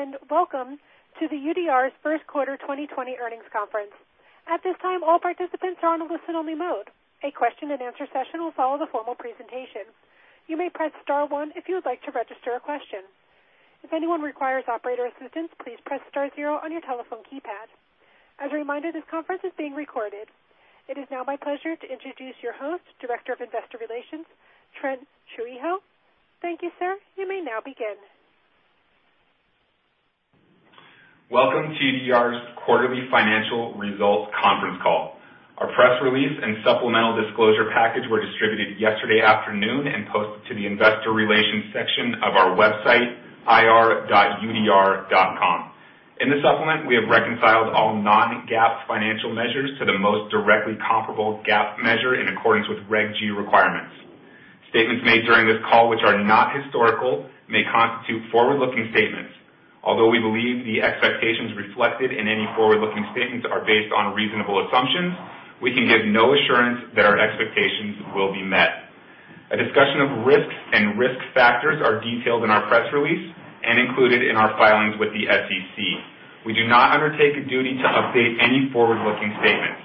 Greetings, welcome to the UDR's first quarter 2020 earnings conference. At this time, all participants are on listen only mode. A Q&A session will follow the formal presentation. You may press star one if you would like to register a question. If anyone requires operator assistance, please press star zero on your telephone keypad. As a reminder, this conference is being recorded. It is now my pleasure to introduce your host, Director of Investor Relations, Trent Trujillo. Thank you, sir. You may now begin. Welcome to UDR's quarterly financial results conference call. Our press release and supplemental disclosure package were distributed yesterday afternoon and posted to the investor relations section of our website, ir.udr.com. In the supplement, we have reconciled all non-GAAP financial measures to the most directly comparable GAAP measure in accordance with Regulation G requirements. Statements made during this call which are not historical may constitute forward-looking statements. Although we believe the expectations reflected in any forward-looking statements are based on reasonable assumptions, we can give no assurance that our expectations will be met. A discussion of risks and risk factors are detailed in our press release and included in our filings with the SEC. We do not undertake a duty to update any forward-looking statements.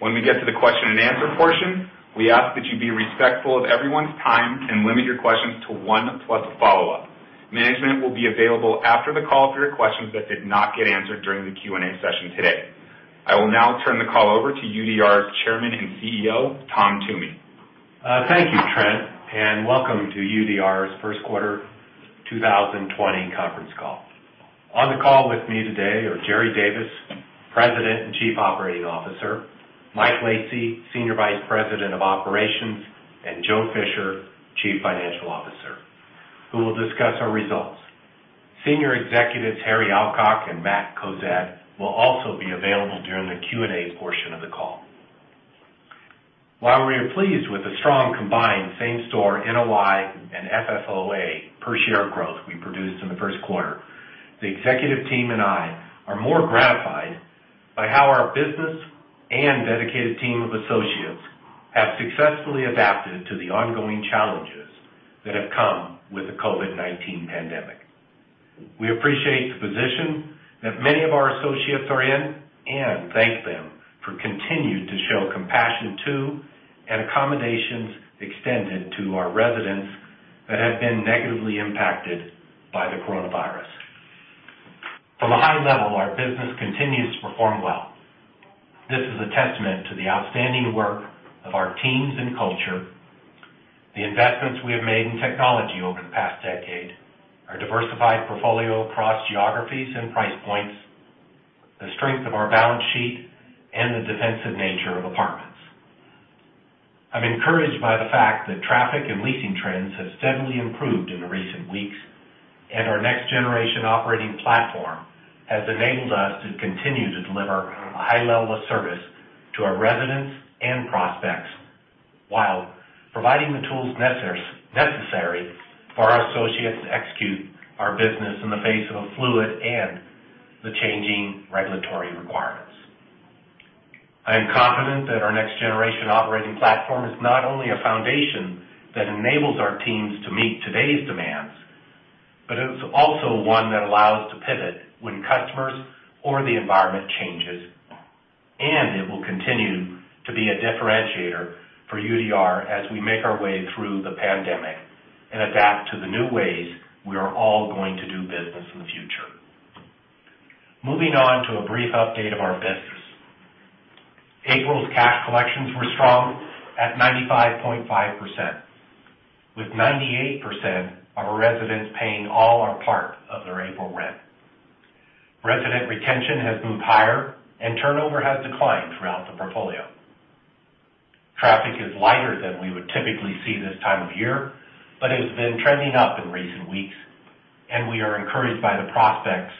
When we get to the Q&A portion, we ask that you be respectful of everyone's time and limit your questions to one plus a follow-up. Management will be available after the call for your questions that did not get answered during the Q&A session today. I will now turn the call over to UDR's Chairman and CEO, Tom Toomey. Thank you, Trent, and welcome to UDR's first quarter 2020 conference call. On the call with me today are Jerry Davis, President and Chief Operating Officer, Mike Lacy, Senior Vice President of Operations, and Joe Fisher, Chief Financial Officer, who will discuss our results. Senior executives Harry Alcock and Matt Cozad will also be available during the Q&A portion of the call. While we are pleased with the strong combined same-store NOI and FFOA per share growth we produced in the first quarter, the executive team and I are more gratified by how our business and dedicated team of associates have successfully adapted to the ongoing challenges that have come with the COVID-19 pandemic. We appreciate the position that many of our associates are in and thank them for continuing to show compassion to and accommodations extended to our residents that have been negatively impacted by the coronavirus. From a high level, our business continues to perform well. This is a testament to the outstanding work of our teams and culture, the investments we have made in technology over the past decade, our diversified portfolio across geographies and price points, the strength of our balance sheet, and the defensive nature of apartments. I'm encouraged by the fact that traffic and leasing trends have steadily improved in the recent weeks. Our next-generation operating platform has enabled us to continue to deliver a high level of service to our residents and prospects while providing the tools necessary for our associates to execute our business in the face of a fluid and the changing regulatory requirements. I am confident that our next-generation operating platform is not only a foundation that enables our teams to meet today's demands, but it is also one that allows to pivot when customers or the environment changes, and it will continue to be a differentiator for UDR as we make our way through the pandemic and adapt to the new ways we are all going to do business in the future. Moving on to a brief update of our business. April's cash collections were strong at 95.5%, with 98% of our residents paying all or part of their April rent. Resident retention has moved higher, and turnover has declined throughout the portfolio. Traffic is lighter than we would typically see this time of year, but it has been trending up in recent weeks, and we are encouraged by the prospects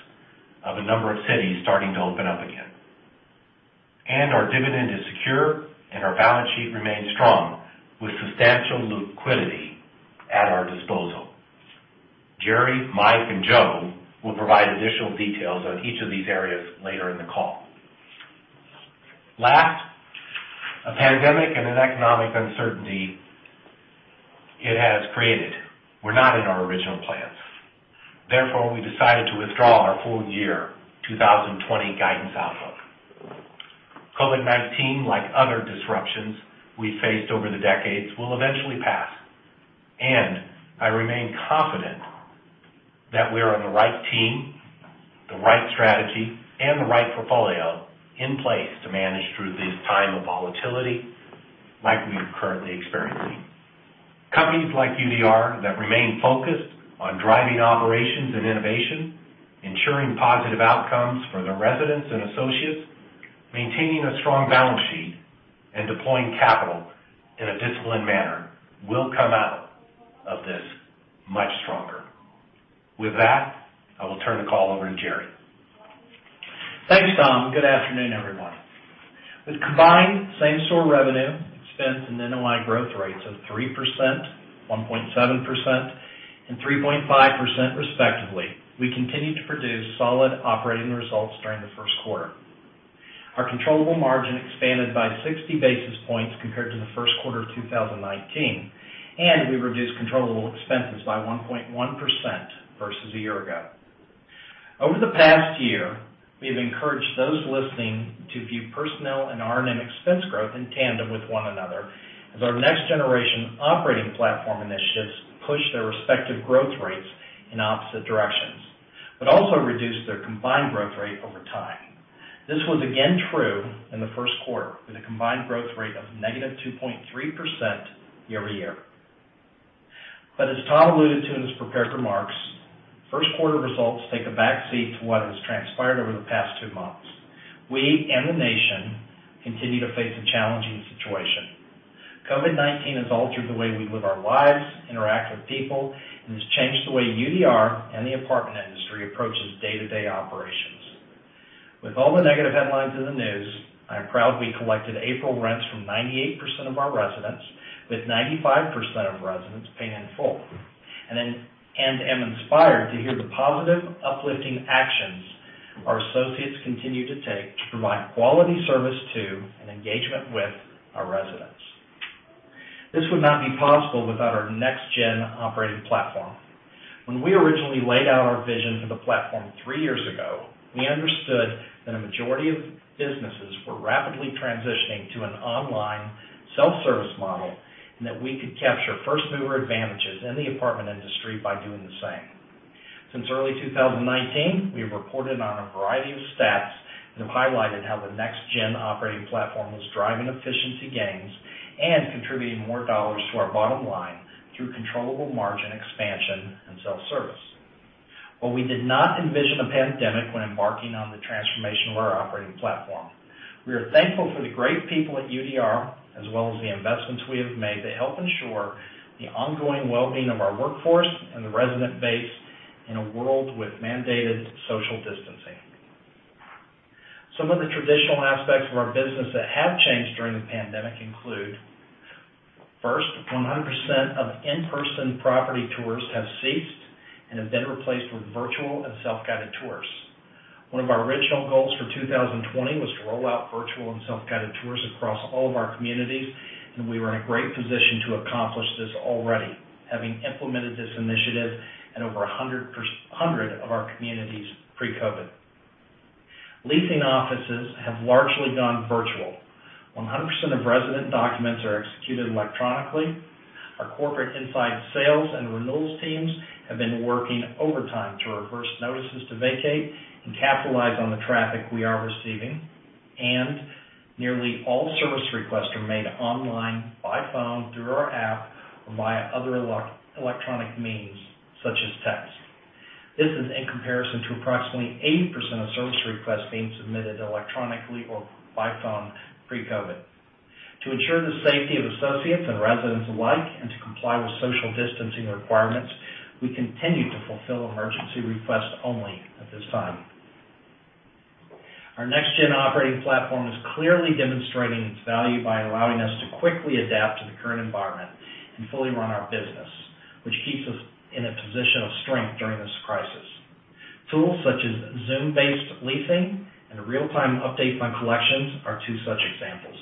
of a number of cities starting to open up again. Our dividend is secure, and our balance sheet remains strong with substantial liquidity at our disposal. Jerry, Mike, and Joe will provide additional details on each of these areas later in the call. Last, a pandemic and an economic uncertainty it has created were not in our original plans. Therefore, we decided to withdraw our full year 2020 guidance outlook. COVID-19, like other disruptions we faced over the decades, will eventually pass, and I remain confident that we are on the right team, the right strategy, and the right portfolio in place to manage through this time of volatility like we are currently experiencing. Companies like UDR that remain focused on driving operations and innovation, ensuring positive outcomes for their residents and associates, maintaining a strong balance sheet, and deploying capital in a disciplined manner will come out of this much stronger. With that, I will turn the call over to Jerry. Thanks, Tom. Good afternoon, everyone. With combined same-store revenue, expense, and NOI growth rates of 3%, 1.7%, and 3.5% respectively, we continued to produce solid operating results during the first quarter. Our controllable margin expanded by 60 basis points compared to the first quarter of 2019, and we reduced controllable expenses by 1.1% versus a year ago. Over the past year, we have encouraged those listening to view personnel and R&M expense growth in tandem with one another, as our next-generation operating platform initiatives push their respective growth rates in opposite directions, but also reduce their combined growth rate over time. This was again true in the first quarter, with a combined growth rate of -2.3% year-over-year. As Tom alluded to in his prepared remarks, first-quarter results take a backseat to what has transpired over the past two months. We, and the nation, continue to face a challenging situation. COVID-19 has altered the way we live our lives, interact with people, and has changed the way UDR and the apartment industry approaches day-to-day operations. With all the negative headlines in the news, I am proud we collected April rents from 98% of our residents, with 95% of residents paying in full. I am inspired to hear the positive uplifting actions our associates continue to take to provide quality service to, and engagement with, our residents. This would not be possible without our next-gen operating platform. When we originally laid out our vision for the platform three years ago, we understood that a majority of businesses were rapidly transitioning to an online self-service model, and that we could capture first-mover advantages in the apartment industry by doing the same. Since early 2019, we have reported on a variety of stats that have highlighted how the next-gen operating platform was driving efficiency gains and contributing more dollars to our bottom line through controllable margin expansion and self-service. We did not envision a pandemic when embarking on the transformation of our operating platform. We are thankful for the great people at UDR, as well as the investments we have made to help ensure the ongoing wellbeing of our workforce and the resident base in a world with mandated social distancing. Some of the traditional aspects of our business that have changed during the pandemic include, first, 100% of in-person property tours have ceased and have been replaced with virtual and self-guided tours. One of our original goals for 2020 was to roll out virtual and self-guided tours across all of our communities, and we were in a great position to accomplish this already, having implemented this initiative in over 100 of our communities pre-COVID. Leasing offices have largely gone virtual. 100% of resident documents are executed electronically. Our corporate inside sales and renewals teams have been working overtime to reverse notices to vacate and capitalize on the traffic we are receiving. Nearly all service requests are made online, by phone, through our app, or via other electronic means such as text. This is in comparison to approximately 80% of service requests being submitted electronically or by phone pre-COVID. To ensure the safety of associates and residents alike, and to comply with social distancing requirements, we continue to fulfill emergency requests only at this time. Our next-gen operating platform is clearly demonstrating its value by allowing us to quickly adapt to the current environment and fully run our business, which keeps us in a position of strength during this crisis. Tools such as Zoom-based leasing and real-time updates on collections are two such examples.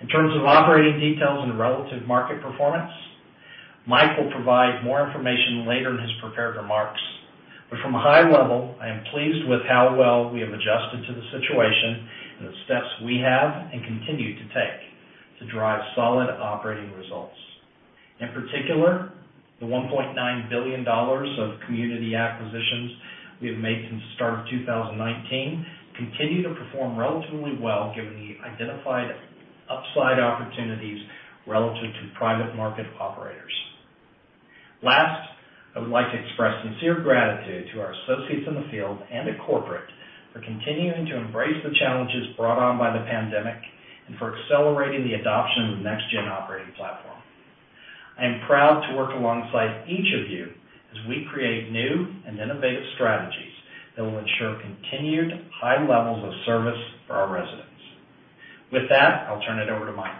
In terms of operating details and relative market performance, Mike will provide more information later in his prepared remarks. From a high level, I am pleased with how well we have adjusted to the situation and the steps we have and continue to take to drive solid operating results. In particular, the $1.9 billion of community acquisitions we have made since the start of 2019 continue to perform relatively well given the identified upside opportunities relative to private market operators. Last, I would like to express sincere gratitude to our associates in the field and at corporate for continuing to embrace the challenges brought on by the pandemic, and for accelerating the adoption of the next-gen operating platform. I am proud to work alongside each of you as we create new and innovative strategies that will ensure continued high levels of service for our residents. With that, I'll turn it over to Mike.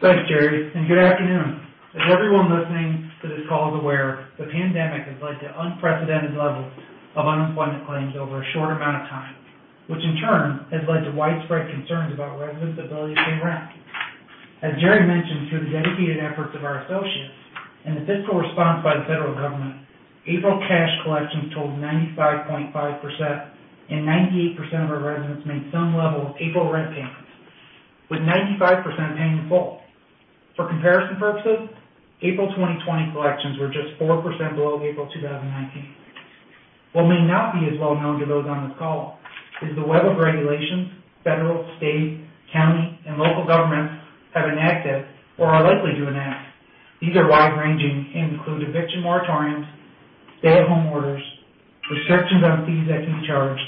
Thanks, Jerry. Good afternoon. As everyone listening to this call is aware, the pandemic has led to unprecedented levels of unemployment claims over a short amount of time, which in turn has led to widespread concerns about residents' ability to pay rent. As Jerry mentioned, through the dedicated efforts of our associates and the fiscal response by the federal government, April cash collections totaled 95.5%, and 98% of our residents made some level of April rent payments, with 95% paying in full. For comparison purposes, April 2020 collections were just 4% below April 2019. What may not be as well known to those on this call is the web of regulations federal, state, county, and local governments have enacted or are likely to enact. These are wide-ranging and include eviction moratoriums, stay-at-home orders, restrictions on fees that can be charged,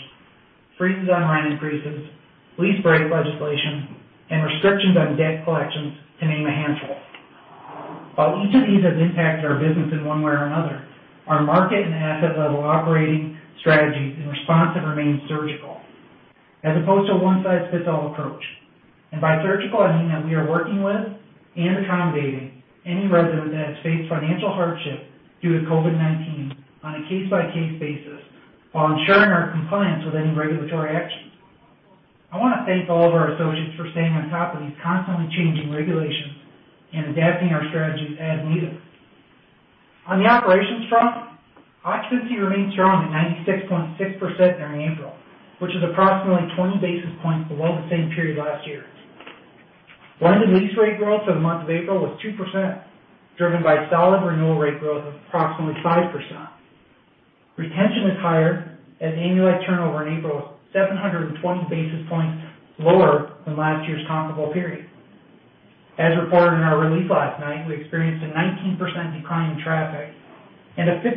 freezes on rent increases, lease break legislation, and restrictions on debt collections, to name a handful. While each of these has impacted our business in one way or another, our market and asset level operating strategies in response have remained surgical as opposed to a one-size-fits-all approach. By surgical, I mean that we are working with and accommodating any resident that has faced financial hardship due to COVID-19 on a case-by-case basis while ensuring our compliance with any regulatory actions. I want to thank all of our associates for staying on top of these constantly changing regulations and adapting our strategies as needed. On the operations front, occupancy remains strong at 96.6% during April, which is approximately 20 basis points below the same period last year. Blended lease rate growth for the month of April was 2%, driven by solid renewal rate growth of approximately 5%. Retention is higher, as annualized turnover in April was 720 basis points lower than last year's comparable period. As reported in our release last night, we experienced a 19% decline in traffic and a 15%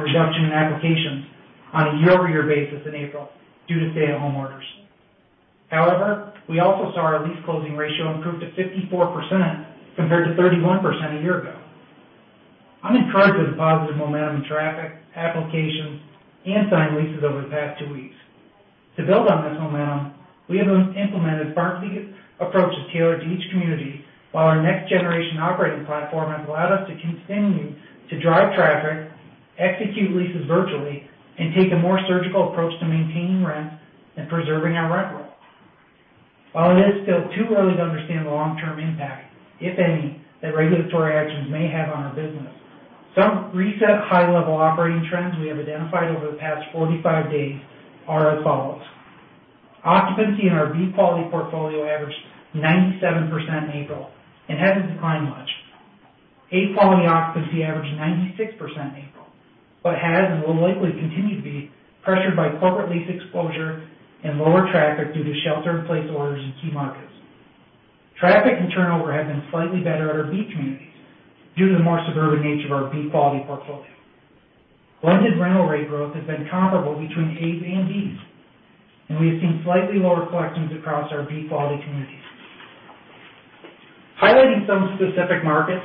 reduction in applications on a year-over-year basis in April due to stay-at-home orders. However, we also saw our lease closing ratio improve to 54% compared to 31% a year ago. I'm encouraged with the positive momentum in traffic, applications, and signed leases over the past two weeks. To build on this momentum, we have implemented targeted approaches tailored to each community, while our next-generation operating platform has allowed us to continue to drive traffic, execute leases virtually, and take a more surgical approach to maintaining rents and preserving our rent roll. While it is still too early to understand the long-term impact, if any, that regulatory actions may have on our business, some recent high-level operating trends we have identified over the past 45 days are as follows. Occupancy in our B-quality portfolio averaged 97% in April and hasn't declined much. A-quality occupancy averaged 96% in April, but has and will likely continue to be pressured by corporate lease exposure and lower traffic due to shelter-in-place orders in key markets. Traffic and turnover have been slightly better at our B communities due to the more suburban nature of our B-quality portfolio. Blended rental rate growth has been comparable between A's and B's, and we have seen slightly lower collections across our B-quality communities. Highlighting some specific markets,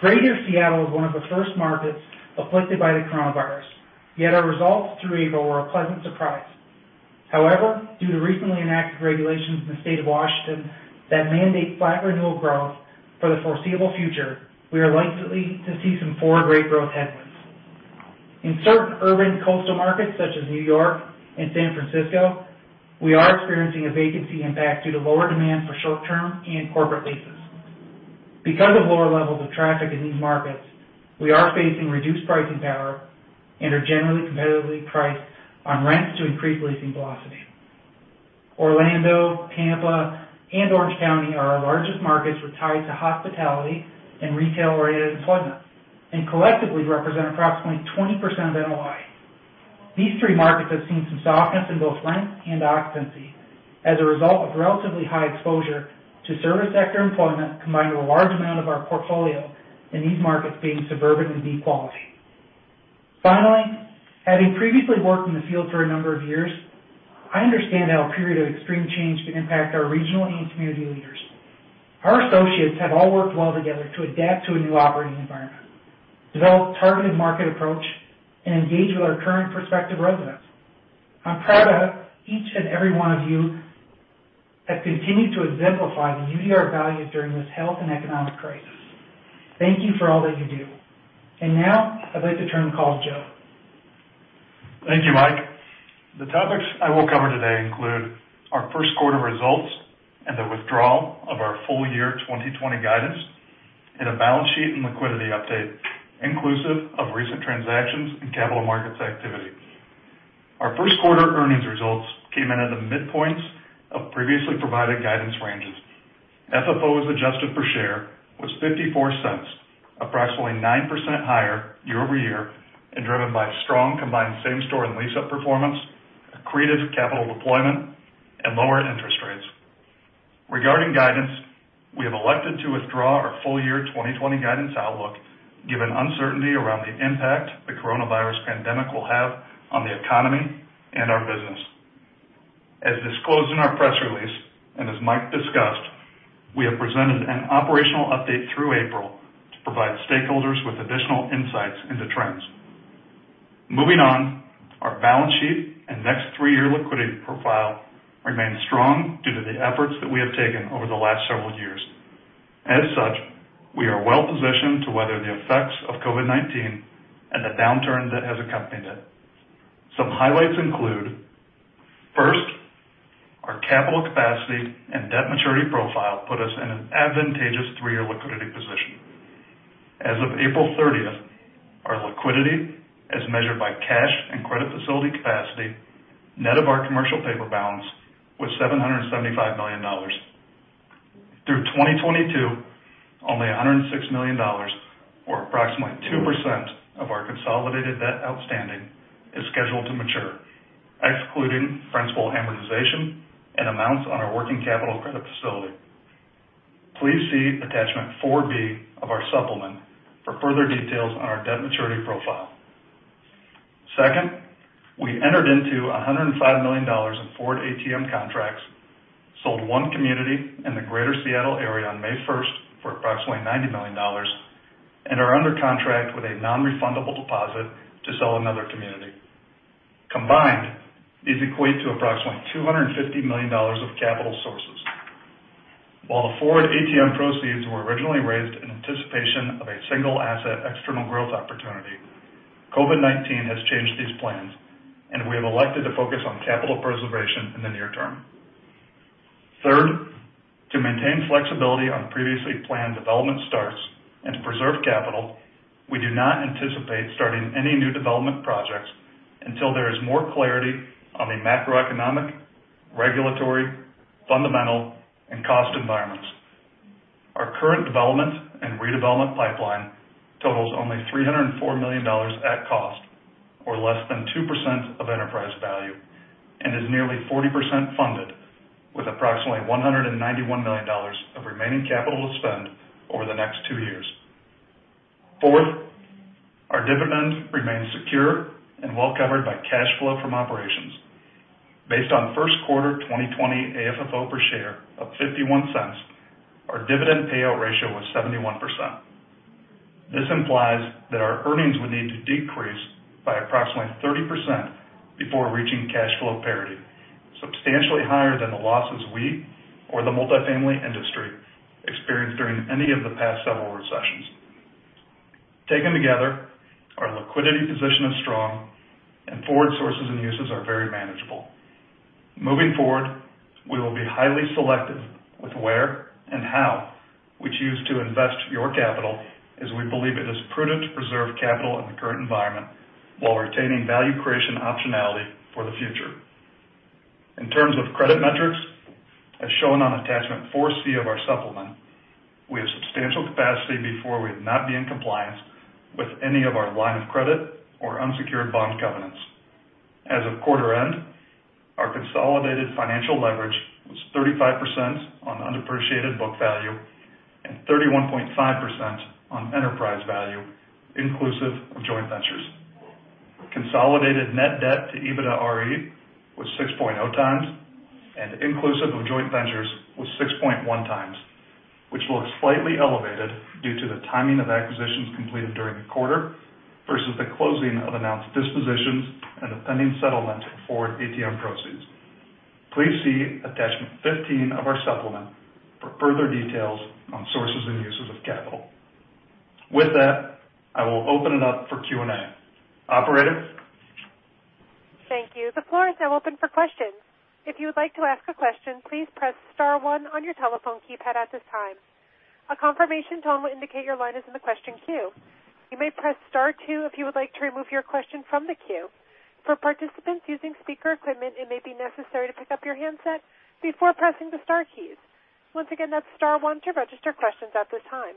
greater Seattle was one of the first markets afflicted by the coronavirus, yet our results through April were a pleasant surprise. However, due to recently enacted regulations in the state of Washington that mandate flat renewal growth for the foreseeable future, we are likely to see some forward rate growth headwinds. In certain urban coastal markets, such as New York and San Francisco, we are experiencing a vacancy impact due to lower demand for short-term and corporate leases. Because of lower levels of traffic in these markets, we are facing reduced pricing power and are generally competitively priced on rents to increase leasing velocity. Orlando, Tampa, and Orange County are our largest markets with ties to hospitality and retail-oriented employment, and collectively represent approximately 20% of NOI. These three markets have seen some softness in both rent and occupancy as a result of relatively high exposure to service sector employment, combined with a large amount of our portfolio in these markets being suburban and B quality. Finally, having previously worked in the field for a number of years, I understand how a period of extreme change can impact our regional and community leaders. Our associates have all worked well together to adapt to a new operating environment, develop targeted market approach, and engage with our current prospective residents. I'm proud of each and every one of you that continue to exemplify the UDR values during this health and economic crisis. Thank you for all that you do. Now, I'd like to turn and call Joe. Thank you, Mike. The topics I will cover today include our first quarter results and the withdrawal of our full year 2020 guidance, and a balance sheet and liquidity update, inclusive of recent transactions and capital markets activity. Our first quarter earnings results came in at the midpoints of previously provided guidance ranges. FFO as adjusted per share was $0.54, approximately 9% higher year-over-year, and driven by strong combined same-store and lease-up performance, accretive capital deployment, and lower interest rates. Regarding guidance, we have elected to withdraw our full year 2020 guidance outlook given uncertainty around the impact the coronavirus pandemic will have on the economy and our business. As disclosed in our press release, and as Mike discussed, we have presented an operational update through April to provide stakeholders with additional insights into trends. Moving on, our balance sheet and next three-year liquidity profile remain strong due to the efforts that we have taken over the last several years. As such, we are well-positioned to weather the effects of COVID-19 and the downturn that has accompanied it. Some highlights include, first, our capital capacity and debt maturity profile put us in an advantageous three-year liquidity position. As of April thirtieth, our liquidity, as measured by cash and credit facility capacity, net of our commercial paper balance, was $775 million. Through 2022, only $106 million, or approximately 2% of our consolidated debt outstanding, is scheduled to mature, excluding principal amortization and amounts on our working capital credit facility. Please see attachment 4B of our supplement for further details on our debt maturity profile. Second, we entered into $105 million in forward ATM contracts, sold one community in the greater Seattle area on May 1st for approximately $90 million, and are under contract with a non-refundable deposit to sell another community. Combined, these equate to approximately $250 million of capital sources. While the forward ATM proceeds were originally raised in anticipation of a single asset external growth opportunity, COVID-19 has changed these plans, and we have elected to focus on capital preservation in the near term. Third, to maintain flexibility on previously planned development starts and to preserve capital, we do not anticipate starting any new development projects until there is more clarity on the macroeconomic, regulatory, fundamental, and cost environments. Our current development and redevelopment pipeline totals only $304 million at cost, or less than 2% of enterprise value, and is nearly 40% funded with approximately $191 million of remaining capital to spend over the next two years. Fourth, our dividend remains secure and well-covered by cash flow from operations. Based on first quarter 2020 AFFO per share of $0.51, our dividend payout ratio was 71%. This implies that our earnings would need to decrease by approximately 30% before reaching cash flow parity, substantially higher than the losses we or the multifamily industry experienced during any of the past several recessions. Taken together, our liquidity position is strong, and forward sources and uses are very manageable. Moving forward, we will be highly selective with where and how we choose to invest your capital, as we believe it is prudent to preserve capital in the current environment while retaining value creation optionality for the future. In terms of credit metrics, as shown on attachment 4C of our supplement, we have substantial capacity before we would not be in compliance with any of our line of credit or unsecured bond covenants. As of quarter end, our consolidated financial leverage was 35% on undepreciated book value and 31.5% on enterprise value, inclusive of joint ventures. Consolidated net debt to EBITDAre was 6.0x and inclusive of joint ventures was 6.1x, which looks slightly elevated due to the timing of acquisitions completed during the quarter versus the closing of announced dispositions and a pending settlement of forward ATM proceeds. Please see attachment 15 of our supplement for further details on sources and uses of capital. With that, I will open it up for Q&A. Operator? Thank you. The floor is now open for questions. If you would like to ask a question, please press star one on your telephone keypad at this time. A confirmation tone will indicate your line is in the question queue. You may press star two if you would like to remove your question from the queue. For participants using speaker equipment, it may be necessary to pick up your handset before pressing the star keys. Once again, that's star one to register questions at this time.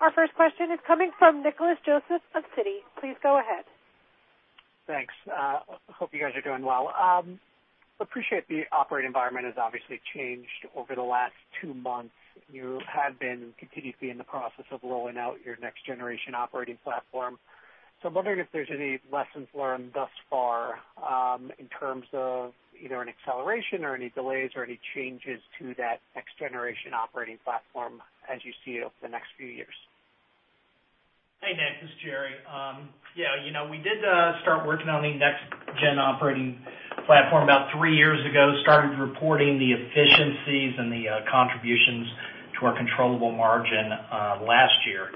Our first question is coming from Nicholas Joseph of Citi. Please go ahead. Thanks. Hope you guys are doing well. Appreciate the operating environment has obviously changed over the last two months. You had been continuously in the process of rolling out your next generation operating platform. I'm wondering if there's any lessons learned thus far, in terms of either an acceleration or any delays or any changes to that next generation operating platform as you see over the next few years. Hey, Nick. This is Jerry. Yeah, we did start working on the next gen operating platform about three years ago, started reporting the efficiencies and the contributions to our controllable margin last year.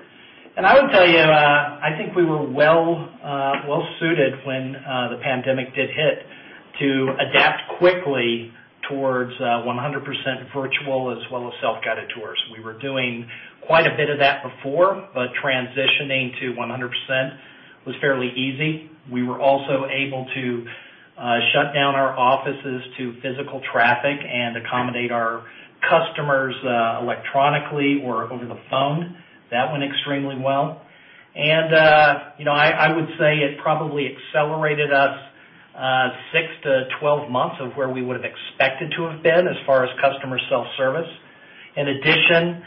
I would tell you, I think we were well suited when the pandemic did hit to adapt quickly towards 100% virtual as well as self-guided tours. We were doing quite a bit of that before, but transitioning to 100% was fairly easy. We were also able to shut down our offices to physical traffic and accommodate our customers electronically or over the phone. That went extremely well. I would say it probably accelerated us 6-12 months of where we would've expected to have been as far as customer self-service. In addition,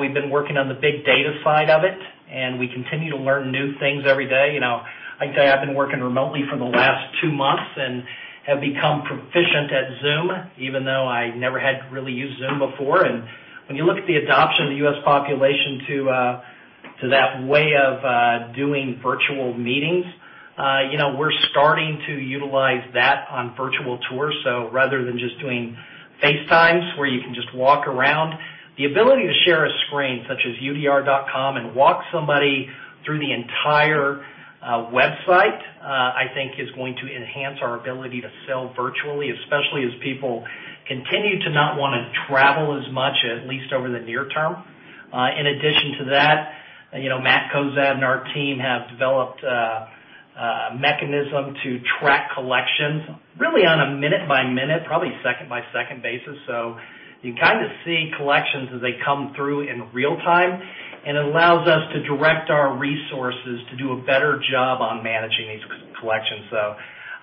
we've been working on the big data side of it, and we continue to learn new things every day. I can tell you I've been working remotely for the last two months and have become proficient at Zoom, even though I never had really used Zoom before. When you look at the adoption of the U.S. population to that way of doing virtual meetings, we're starting to utilize that on virtual tours. Rather than just doing FaceTimes where you can just walk around, the ability to share a screen such as udr.com and walk somebody through the entire website, I think is going to enhance our ability to sell virtually, especially as people continue to not want to travel as much, at least over the near term. In addition to that, Matt Cozad and our team have developed a mechanism to track collections really on a minute-by-minute, probably second-by-second basis. You kind of see collections as they come through in real time, and it allows us to direct our resources to do a better job on managing these collections.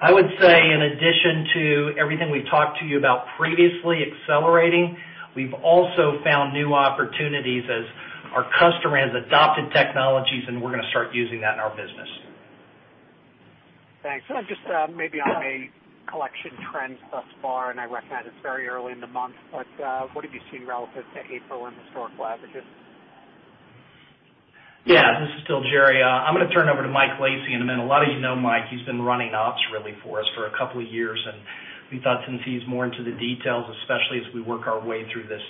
I would say in addition to everything we've talked to you about previously accelerating, we've also found new opportunities as our customer has adopted technologies, and we're going to start using that in our business. Thanks. Just maybe on a collection trend thus far, and I recognize it's very early in the month, but what have you seen relative to April and historical averages? This is still Jerry. I'm going to turn it over to Mike Lacy in a minute. A lot of you know Mike. He's been running ops really for us for a couple of years. We thought since he's more into the details, especially as we work our way through this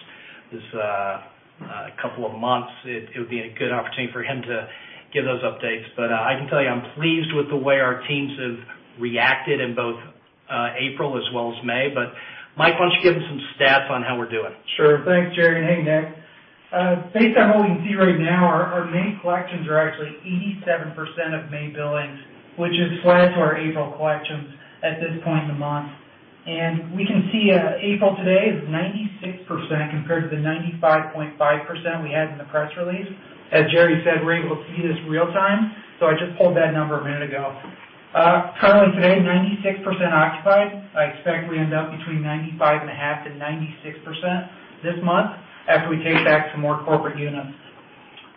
couple of months, it would be a good opportunity for him to give those updates. I can tell you, I'm pleased with the way our teams have reacted in both April as well as May. Mike, why don't you give them some stats on how we're doing? Sure. Thanks, Jerry. Hey, Nick. Based on what we can see right now, our May collections are actually 87% of May billings, which is flat to our April collections at this point in the month. We can see April today is 96% compared to the 95.5% we had in the press release. As Jerry said, we're able to see this real time, so I just pulled that number a minute ago. Currently today, 96% occupied. I expect we end up between 95.5%-96% this month after we take back some more corporate units.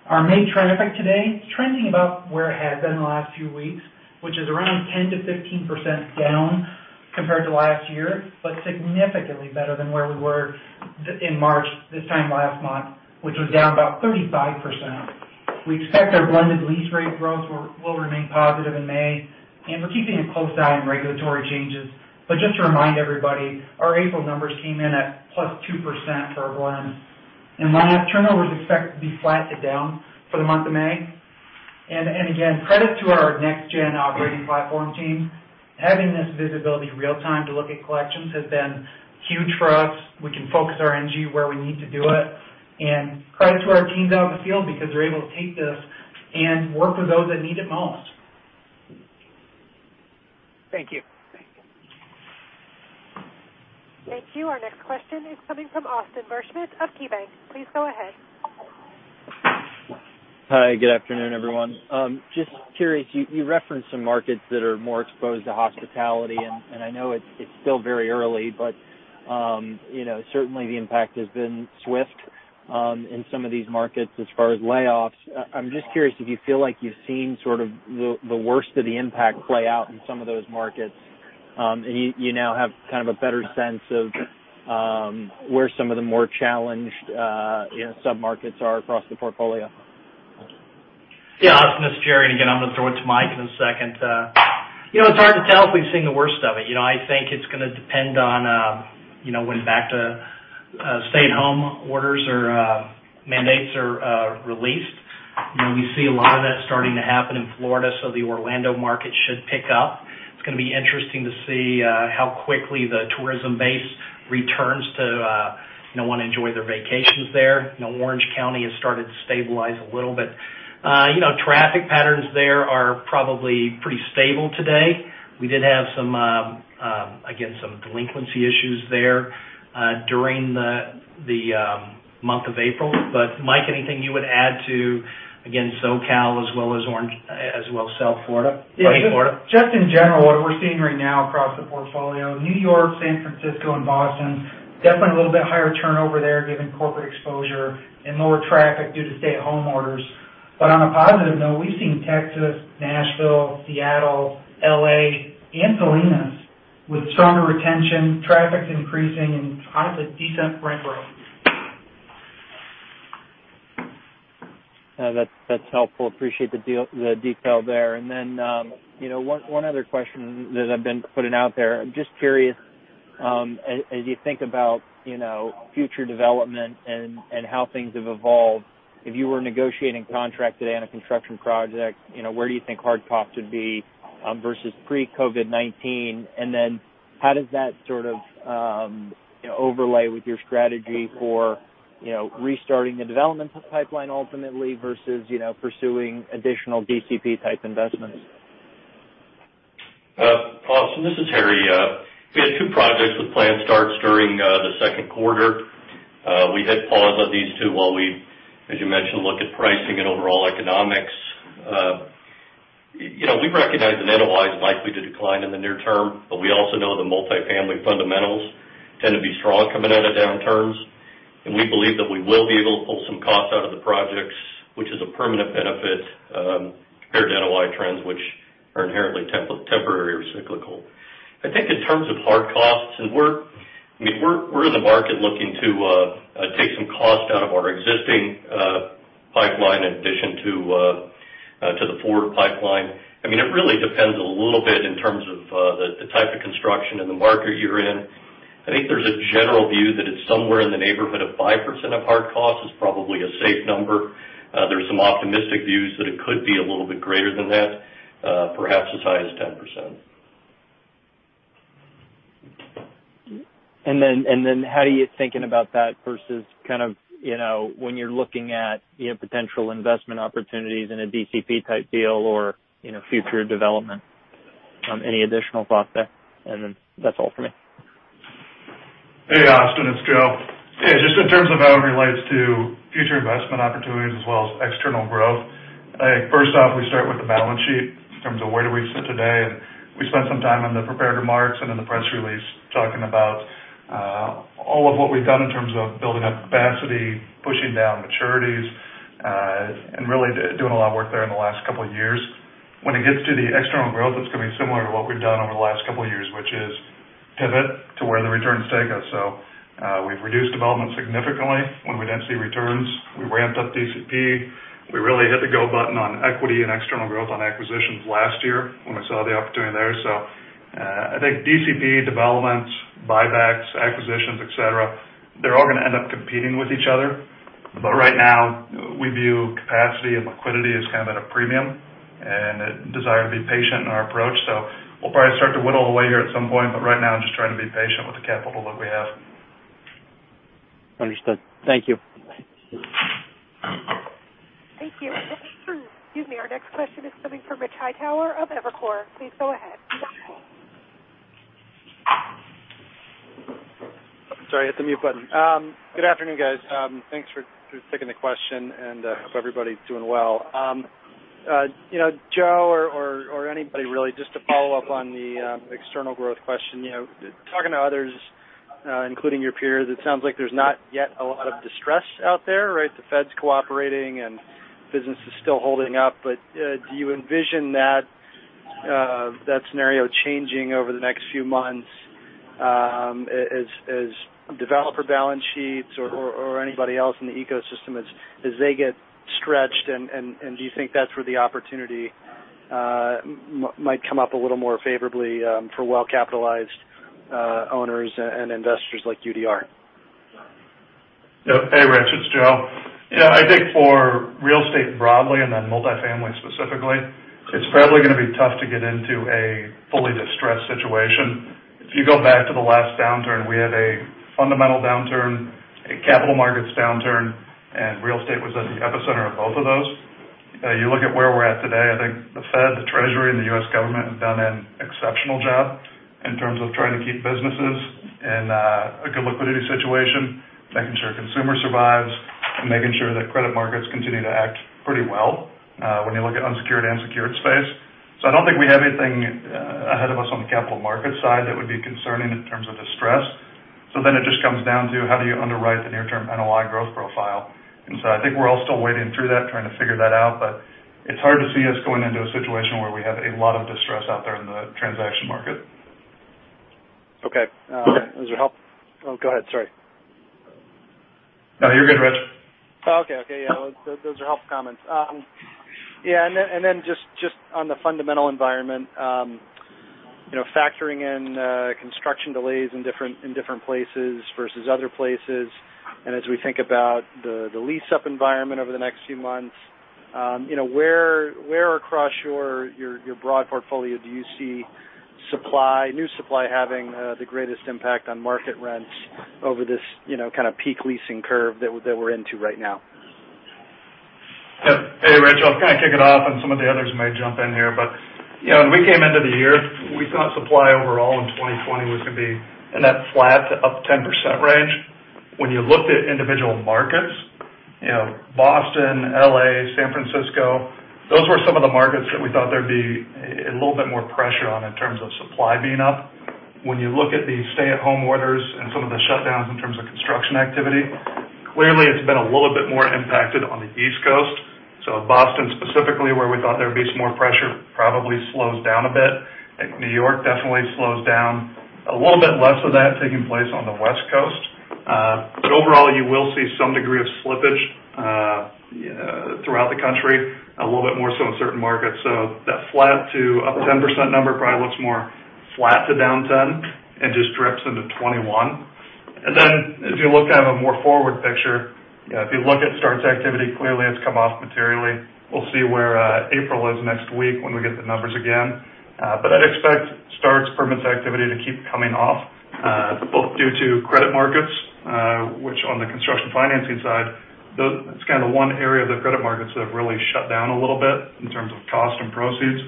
Our May traffic today is trending about where it has been in the last few weeks, which is around 10%-15% down compared to last year, but significantly better than where we were in March this time last month, which was down about 35%. We expect our blended lease rate growth will remain positive in May, and we're keeping a close eye on regulatory changes. Just to remind everybody, our April numbers came in at +2% for our blends. Last, turnover is expected to be flat to down for the month of May. Again, credit to our Next Gen operating platform team. Having this visibility real time to look at collections has been huge for us. We can focus our energy where we need to do it. Credit to our teams out in the field because they're able to take this and work with those that need it most. Thank you. Thank you. Our next question is coming from Austin Wurschmidt of KeyBanc. Please go ahead. Hi, good afternoon, everyone. Just curious, you referenced some markets that are more exposed to hospitality. I know it's still very early, but certainly the impact has been swift in some of these markets as far as layoffs. I'm just curious if you feel like you've seen sort of the worst of the impact play out in some of those markets, and you now have kind of a better sense of where some of the more challenged sub-markets are across the portfolio. Yeah, Austin, this is Jerry, and again, I'm going to throw it to Mike in a second. It's hard to tell if we've seen the worst of it. I think it's going to depend on when back to stay-at-home orders or mandates are released. We see a lot of that starting to happen in Florida. The Orlando market should pick up. It's going to be interesting to see how quickly the tourism base returns to want to enjoy their vacations there. Orange County has started to stabilize a little bit. Traffic patterns there are probably pretty stable today. We did have, again, some delinquency issues there during the month of April. Mike, anything you would add to, again, SoCal as well as Florida. Just in general, what we're seeing right now across the portfolio, New York, San Francisco, and Boston, definitely a little bit higher turnover there given corporate exposure and lower traffic due to stay-at-home orders. On a positive note, we've seen Texas, Nashville, Seattle, L.A., and Salinas with stronger retention, traffic increasing, and positive decent rent growth. That's helpful. Appreciate the detail there. One other question that has been putting out there. I'm just curious, as you think about future development and how things have evolved, if you were negotiating a contract today on a construction project, where do you think hard costs would be versus pre-COVID-19? How does that sort of overlay with your strategy for restarting the development pipeline ultimately versus pursuing additional DCP-type investments? Austin, this is Harry. We had two projects with planned starts during the second quarter. We hit pause on these two while we, as you mentioned, look at pricing and overall economics. We recognize that NOI is likely to decline in the near term, but we also know the multifamily fundamentals tend to be strong coming out of downturns, and we believe that we will be able to pull some costs out of the projects, which is a permanent benefit compared to NOI trends, which are inherently temporary or cyclical. I think in terms of hard costs, we're in the market looking to take some cost out of our existing pipeline in addition to the forward pipeline. It really depends a little bit in terms of the type of construction and the market you're in. I think there's a general view that it's somewhere in the neighborhood of 5% of hard costs is probably a safe number. There's some optimistic views that it could be a little bit greater than that, perhaps as high as 10%. How are you thinking about that versus kind of when you're looking at potential investment opportunities in a DCP-type deal or future development? Any additional thoughts there? That's all for me. Hey, Austin, it's Joe. Yeah, just in terms of how it relates to future investment opportunities as well as external growth, I think first off, we start with the balance sheet in terms of where do we sit today, and we spent some time on the prepared remarks and in the press release talking about all of what we've done in terms of building up capacity, pushing down maturities, and really doing a lot of work there in the last couple of years. When it gets to the external growth, it's going to be similar to what we've done over the last couple of years, which is Pivot to where the returns take us. We've reduced development significantly when we didn't see returns. We ramped up DCP. We really hit the go button on equity and external growth on acquisitions last year when we saw the opportunity there. I think DCP developments, buybacks, acquisitions, et cetera, they're all going to end up competing with each other. Right now, we view capacity and liquidity as kind of at a premium and a desire to be patient in our approach. We'll probably start to whittle away here at some point, but right now, just trying to be patient with the capital that we have. Understood. Thank you. Thank you. Excuse me, our next question is coming from Rich Hightower of Evercore. Please go ahead. Sorry, I hit the mute button. Good afternoon, guys. Thanks for taking the question, and I hope everybody's doing well. Joe or anybody, really, just to follow up on the external growth question. Talking to others, including your peers, it sounds like there's not yet a lot of distress out there, right? The Fed's cooperating and business is still holding up. Do you envision that scenario changing over the next few months as developer balance sheets or anybody else in the ecosystem as they get stretched, and do you think that's where the opportunity might come up a little more favorably for well-capitalized owners and investors like UDR? Hey, Rich, it's Joe. I think for real estate broadly and then multifamily specifically, it's probably going to be tough to get into a fully distressed situation. If you go back to the last downturn, we had a fundamental downturn, a capital markets downturn, and real estate was at the epicenter of both of those. You look at where we're at today, I think the Fed, the Treasury, and the U.S. government have done an exceptional job in terms of trying to keep businesses in a good liquidity situation, making sure consumer survives, and making sure that credit markets continue to act pretty well when you look at unsecured and secured space. I don't think we have anything ahead of us on the capital markets side that would be concerning in terms of distress. It just comes down to how do you underwrite the near-term NOI growth profile. I think we're all still wading through that, trying to figure that out, but it's hard to see us going into a situation where we have a lot of distress out there in the transaction market. Okay. Those are help-- Oh, go ahead, sorry. No, you're good, Rich. Just on the fundamental environment, factoring in construction delays in different places versus other places, as we think about the lease-up environment over the next few months, where across your broad portfolio do you see new supply having the greatest impact on market rents over this kind of peak leasing curve that we're into right now? Hey, Rich, I'll kind of kick it off and some of the others may jump in here. When we came into the year, we thought supply overall in 2020 was going to be in that flat to up 10% range. When you looked at individual markets, Boston, L.A., San Francisco, those were some of the markets that we thought there'd be a little bit more pressure on in terms of supply being up. When you look at the stay-at-home orders and some of the shutdowns in terms of construction activity, clearly it's been a little bit more impacted on the East Coast. Boston specifically, where we thought there'd be some more pressure, probably slows down a bit. I think New York definitely slows down. A little bit less of that taking place on the West Coast. Overall, you will see some degree of slippage throughout the country, a little bit more so in certain markets. That flat to up 10% number probably looks more flat to down 10% and just drips into 2021. As you look kind of a more forward picture, if you look at starts activity, clearly it's come off materially. We'll see where April is next week when we get the numbers again. I'd expect starts permits activity to keep coming off, both due to credit markets, which on the construction financing side, it's kind of the one area the credit markets have really shut down a little bit in terms of cost and proceeds.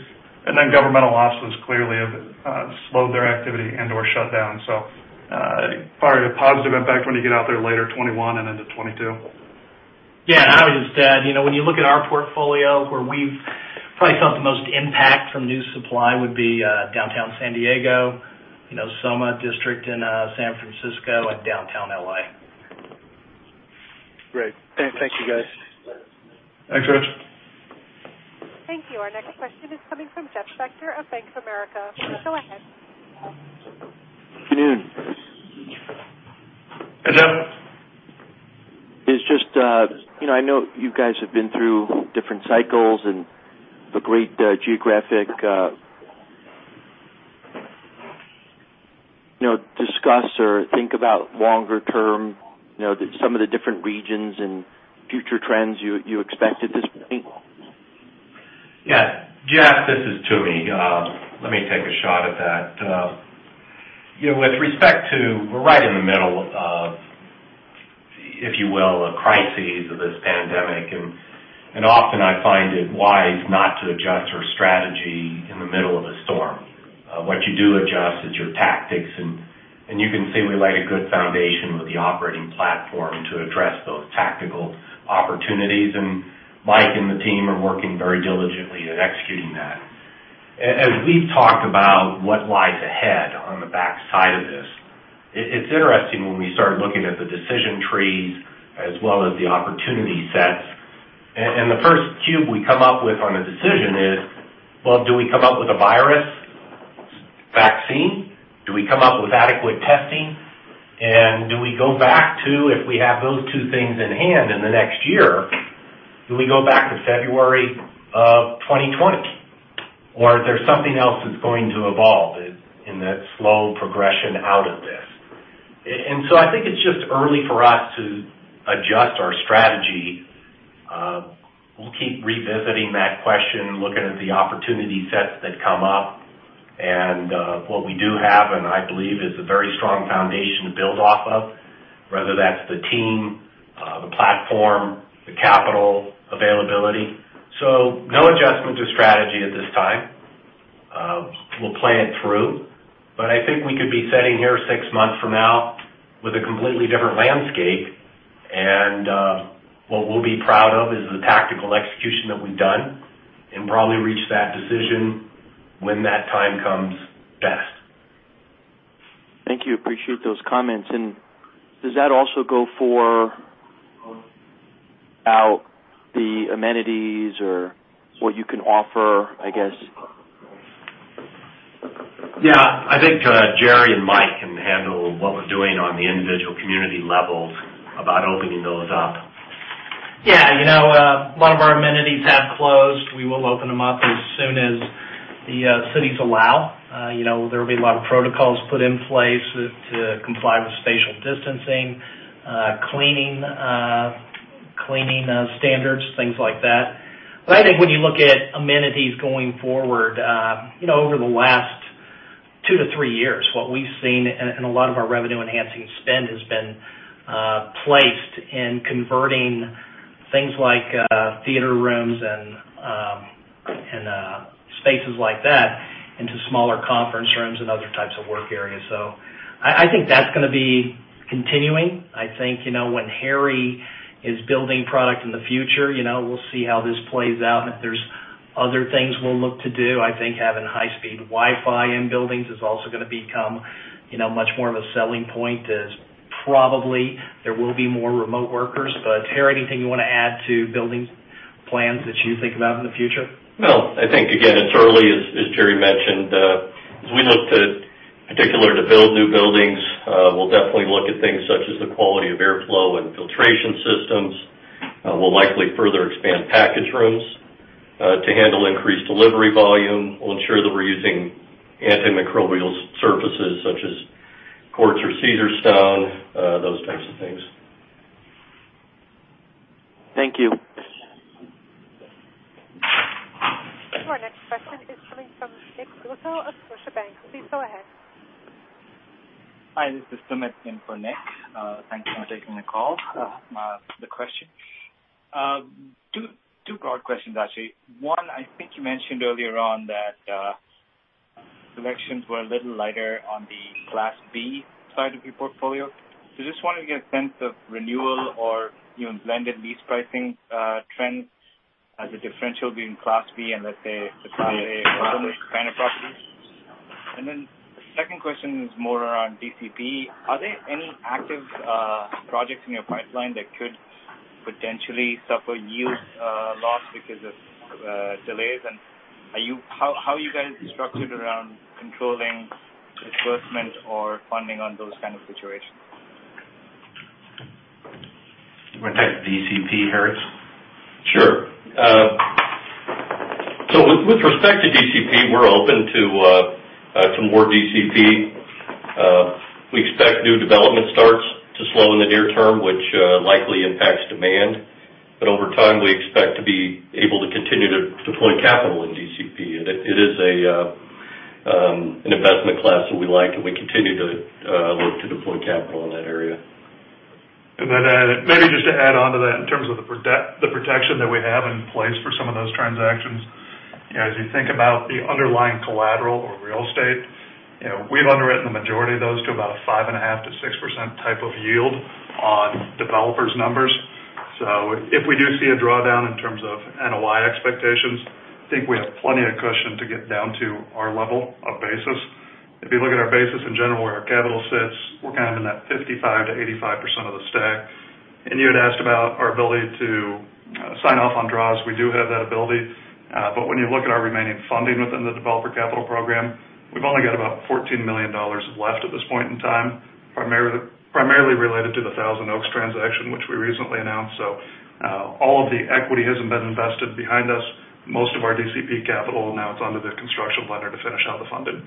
Governmental offices clearly have slowed their activity and/or shut down. Probably a positive impact when you get out there later 2021 and into 2022. Yeah, I would just add, when you look at our portfolio where we've probably felt the most impact from new supply would be Downtown San Diego, SoMa district in San Francisco, and Downtown L.A. Great. Thank you, guys. Thanks, Rich. Thank you. Our next question is coming from Jeff Spector of Bank of America. Go ahead. Good afternoon. Hello. It's just I know you guys have been through different cycles and have a great geographic-- you know, discuss, or think about longer term, some of the different regions and future trends you expect at this point. Yeah, Jeff, this is Toomey. Let me take a shot at that. With respect to, we're right in the middle of, if you will, a crisis of this pandemic, and often I find it wise not to adjust our strategy in the middle of a storm. What you do adjust is your tactics, and you can see we laid a good foundation with the operating platform to address those tactical opportunities, and Mike and the team are working very diligently at executing that. As we've talked about what lies ahead on the backside of this It's interesting when we start looking at the decision trees as well as the opportunity sets. The first cube we come up with on a decision is, well, do we come up with a virus vaccine? Do we come up with adequate testing? If we have those two things in hand in the next year, do we go back to February of 2020? Is there something else that's going to evolve in that slow progression out of this? I think it's just early for us to adjust our strategy. We'll keep revisiting that question, looking at the opportunity sets that come up. What we do have, and I believe is a very strong foundation to build off of, whether that's the team, the platform, the capital availability. No adjustment to strategy at this time. We'll plan it through, but I think we could be sitting here six months from now with a completely different landscape, and what we'll be proud of is the tactical execution that we've done and probably reach that decision when that time comes best. Thank you. Appreciate those comments. Does that also go for out the amenities or what you can offer, I guess? Yeah. I think Jerry and Mike can handle what we're doing on the individual community levels about opening those up. Yeah. A lot of our amenities have closed. We will open them up as soon as the cities allow. There will be a lot of protocols put in place to comply with spatial distancing, cleaning standards, things like that. I think when you look at amenities going forward, over the last two to three years, what we've seen in a lot of our revenue enhancing spend has been placed in converting things like theater rooms and spaces like that into smaller conference rooms and other types of work areas. I think that's going to be continuing. I think, when Harry is building product in the future, we'll see how this plays out and if there's other things we'll look to do. I think having high-speed Wi-Fi in buildings is also going to become much more of a selling point as probably there will be more remote workers. Harry, anything you want to add to building plans that you think about in the future? No, I think, again, it's early, as Jerry mentioned. As we look to build new buildings, we'll definitely look at things such as the quality of airflow and filtration systems. We'll likely further expand package rooms to handle increased delivery volume. We'll ensure that we're using antimicrobial surfaces such as quartz or Caesarstone, those types of things. Thank you. Our next question is coming from Nick Russo of Scotiabank. Please go ahead. Hi, this is Sumit in for Nick. Thank you for taking the call. Two broad questions, actually. One, I think you mentioned earlier on that selections were a little lighter on the Class B side of your portfolio. Just want to get a sense of renewal or blended lease pricing trends as a differential between Class B and let's say, the Class A kind of properties. The second question is more around DCP. Are there any active projects in your pipeline that could potentially suffer yield loss because of delays? How are you guys structured around controlling disbursement or funding on those kind of situations? You want to take DCP, Harry? Sure. With respect to DCP, we're open to some more DCP. We expect new development starts to slow in the near term, which likely impacts demand. Over time, we expect to be able to continue to deploy capital in DCP. It is an investment class that we like, and we continue to look to deploy capital in that area. Maybe just to add onto that, in terms of the protection that we have in place for some of those transactions, as you think about the underlying collateral or real estate, we've underwritten the majority of those to about 5.5%-6% type of yield on developers' numbers. If we do see a drawdown in terms of NOI expectations, I think we have plenty of cushion to get down to our level of basis. If you look at our basis in general, where our capital sits, we're kind of in that 55%-85% of the stack. You had asked about our ability to sign off on draws. We do have that ability. When you look at our remaining funding within the Developer Capital Program, we've only got about $14 million left at this point in time, primarily related to the Thousand Oaks transaction, which we recently announced. All of the equity has been invested behind us. Most of our DCP capital now it's under the construction lender to finish out the funding.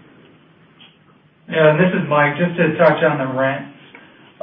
Yeah, this is Mike. Just to touch on the rents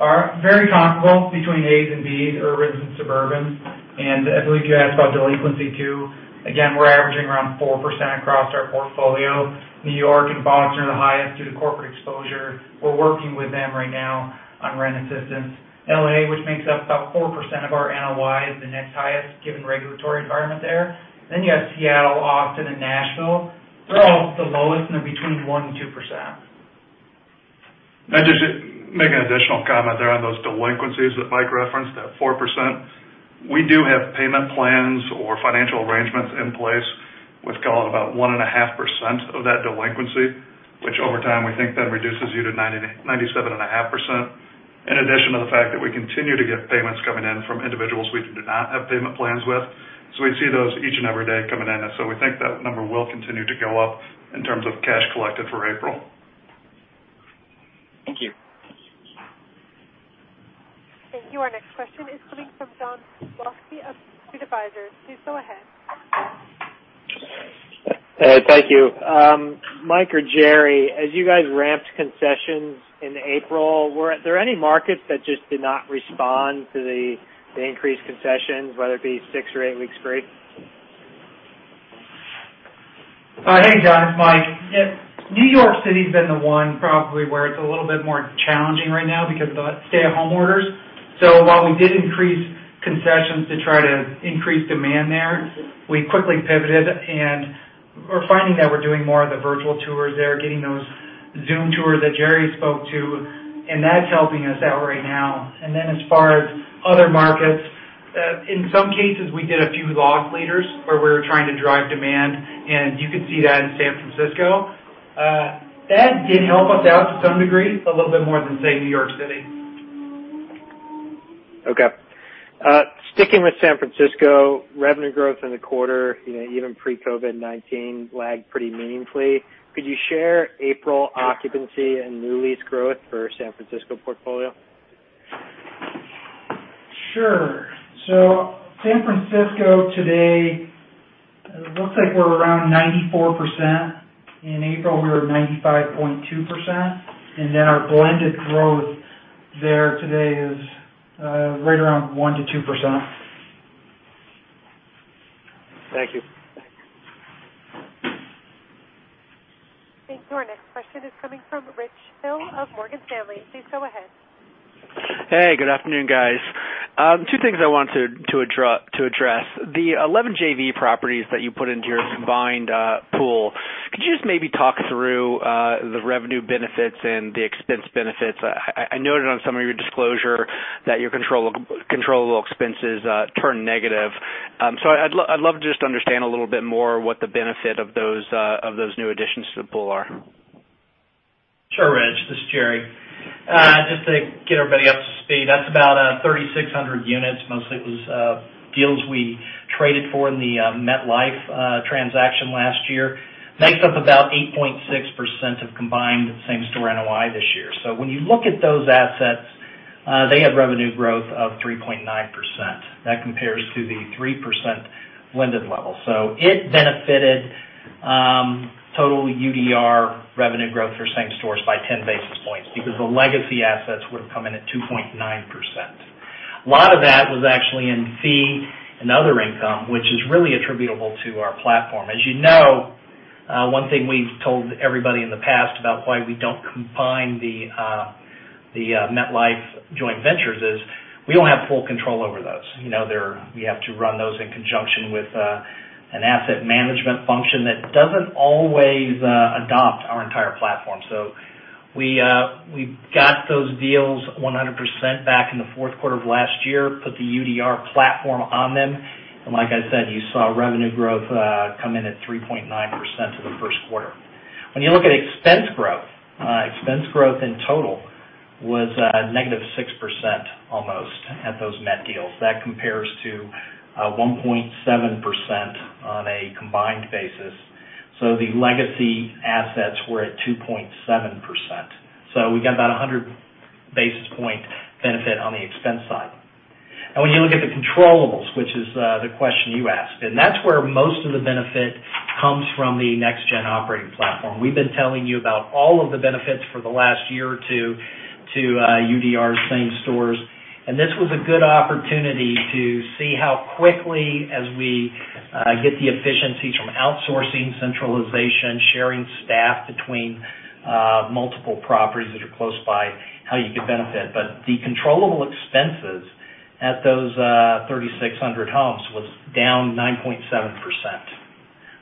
are very comparable between As and Bs, urbans and suburbans. I believe you asked about delinquency, too. Again, we're averaging around 4% across our portfolio. New York and Boston are the highest due to corporate exposure. We're working with them right now on rent assistance. L.A., which makes up about 4% of our NOI, is the next highest given regulatory environment there. You have Seattle, Austin, and Nashville. They're all the lowest, and they're between 1% and 2%. Just to make an additional comment there on those delinquencies that Mike referenced, that 4%. We do have payment plans or financial arrangements in place with about 1.5% of that delinquency, which over time we think then reduces you to 97.5%. In addition to the fact that we continue to get payments coming in from individuals we do not have payment plans with. We see those each and every day coming in. We think that number will continue to go up in terms of cash collected for April. Thank you. Thank you. Our next question is coming from John Pawlowski of Green Street Advisors. Please go ahead. Thank you. Mike or Jerry, as you guys ramped concessions in April, were there any markets that just did not respond to the increased concessions, whether it be six or eight weeks free? Hey, John it's Mike. New York City's been the one probably where it's a little bit more challenging right now because of the stay-at-home orders. While we did increase concessions to try to increase demand there, we quickly pivoted, and we're finding that we're doing more of the virtual tours there, getting those Zoom tours that Jerry spoke to, and that's helping us out right now. As far as other markets, in some cases, we did a few loss leaders where we were trying to drive demand, and you could see that in San Francisco. That did help us out to some degree a little bit more than, say, New York City. Okay. Sticking with San Francisco, revenue growth in the quarter, even pre-COVID-19 lagged pretty meaningfully. Could you share April occupancy and new lease growth for San Francisco portfolio? Sure. San Francisco today looks like we're around 94%. In April, we were 95.2%, our blended growth there today is right around 1%-2%. Thank you. Thank you. Our next question is coming from Rich Hill of Morgan Stanley. Please go ahead. Hey, good afternoon, guys. Two things I wanted to address. The 11 JV properties that you put into your combined pool, could you just maybe talk through the revenue benefits and the expense benefits? I noted on some of your disclosure that your controllable expenses turned negative. I'd love to just understand a little bit more what the benefit of those new additions to the pool are. Sure, Rich. This is Jerry. Just to get everybody up to speed, that's about 3,600 units. Mostly it was deals we traded for in the MetLife transaction last year. Makes up about 8.6% of combined same-store NOI this year. When you look at those assets, they have revenue growth of 3.9%. That compares to the 3% blended level. It benefited total UDR revenue growth for same stores by 10 basis points because the legacy assets would've come in at 2.9%. A lot of that was actually in fee and other income, which is really attributable to our platform. As you know, one thing we've told everybody in the past about why we don't combine the MetLife joint ventures is we don't have full control over those. We have to run those in conjunction with an asset management function that doesn't always adopt our entire platform. We got those deals 100% back in the fourth quarter of last year, put the UDR platform on them, and like I said, you saw revenue growth come in at 3.9% for the first quarter. When you look at expense growth, expense growth in total was -6%, almost, at those Met deals. That compares to 1.7% on a combined basis. The legacy assets were at 2.7%. We got about 100 basis points benefit on the expense side. When you look at the controllables, which is the question you asked, and that's where most of the benefit comes from the next-gen operating platform. We've been telling you about all of the benefits for the last year or two to UDR same stores. This was a good opportunity to see how quickly as we get the efficiencies from outsourcing, centralization, sharing staff between multiple properties that are close by, how you could benefit. The controllable expenses at those 3,600 homes was down 9.7%.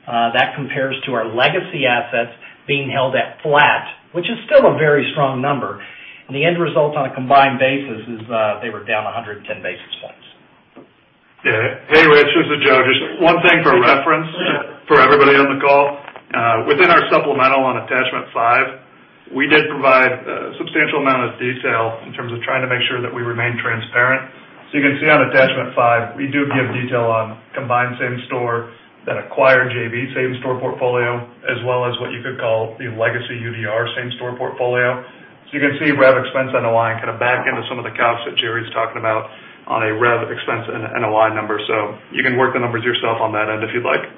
That compares to our legacy assets being held at flat, which is still a very strong number, and the end result on a combined basis is they were down 110 basis points. Yeah. Hey, Rich, this is Joe. Just one thing for reference for everybody on the call. Within our supplemental on attachment five, we did provide a substantial amount of detail in terms of trying to make sure that we remain transparent. You can see on attachment five, we do give detail on combined same store, that acquired JV same store portfolio, as well as what you could call the legacy UDR same store portfolio. You can see rev expense NOI kind of back into some of the comps that Jerry's talking about on a rev expense NOI number. You can work the numbers yourself on that end, if you'd like.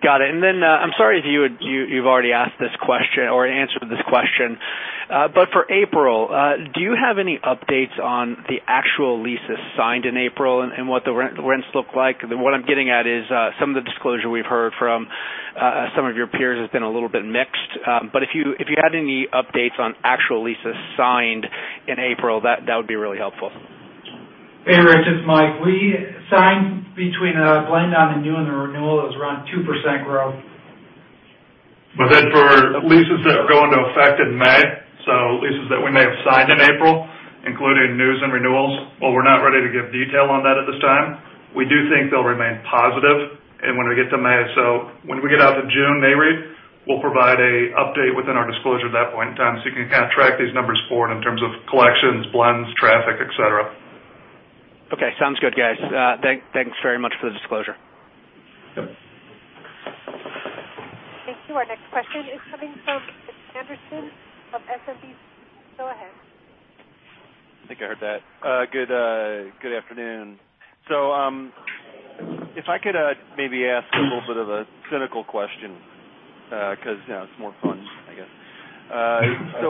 Got it. I'm sorry if you've already asked this question or answered this question. For April, do you have any updates on the actual leases signed in April and what the rents look like? What I'm getting at is, some of the disclosure we've heard from some of your peers has been a little bit mixed. If you had any updates on actual leases signed in April, that would be really helpful. Hey, Rich, it's Mike. We signed between a blend on the new and the renewal. It was around 2% growth. For leases that go into effect in May, so leases that we may have signed in April, including news and renewals, while we're not ready to give detail on that at this time, we do think they'll remain positive. When we get to May, so when we get out the June-May read, we'll provide an update within our disclosure at that point in time, so you can kind of track these numbers forward in terms of collections, blends, traffic, et cetera. Okay. Sounds good, guys. Thanks very much for the disclosure. Yep. Thank you. Our next question is coming from Rich Anderson of SMBC. Go ahead. I think I heard that. Good afternoon. If I could maybe ask a little bit of a cynical question, because it's more fun, I guess.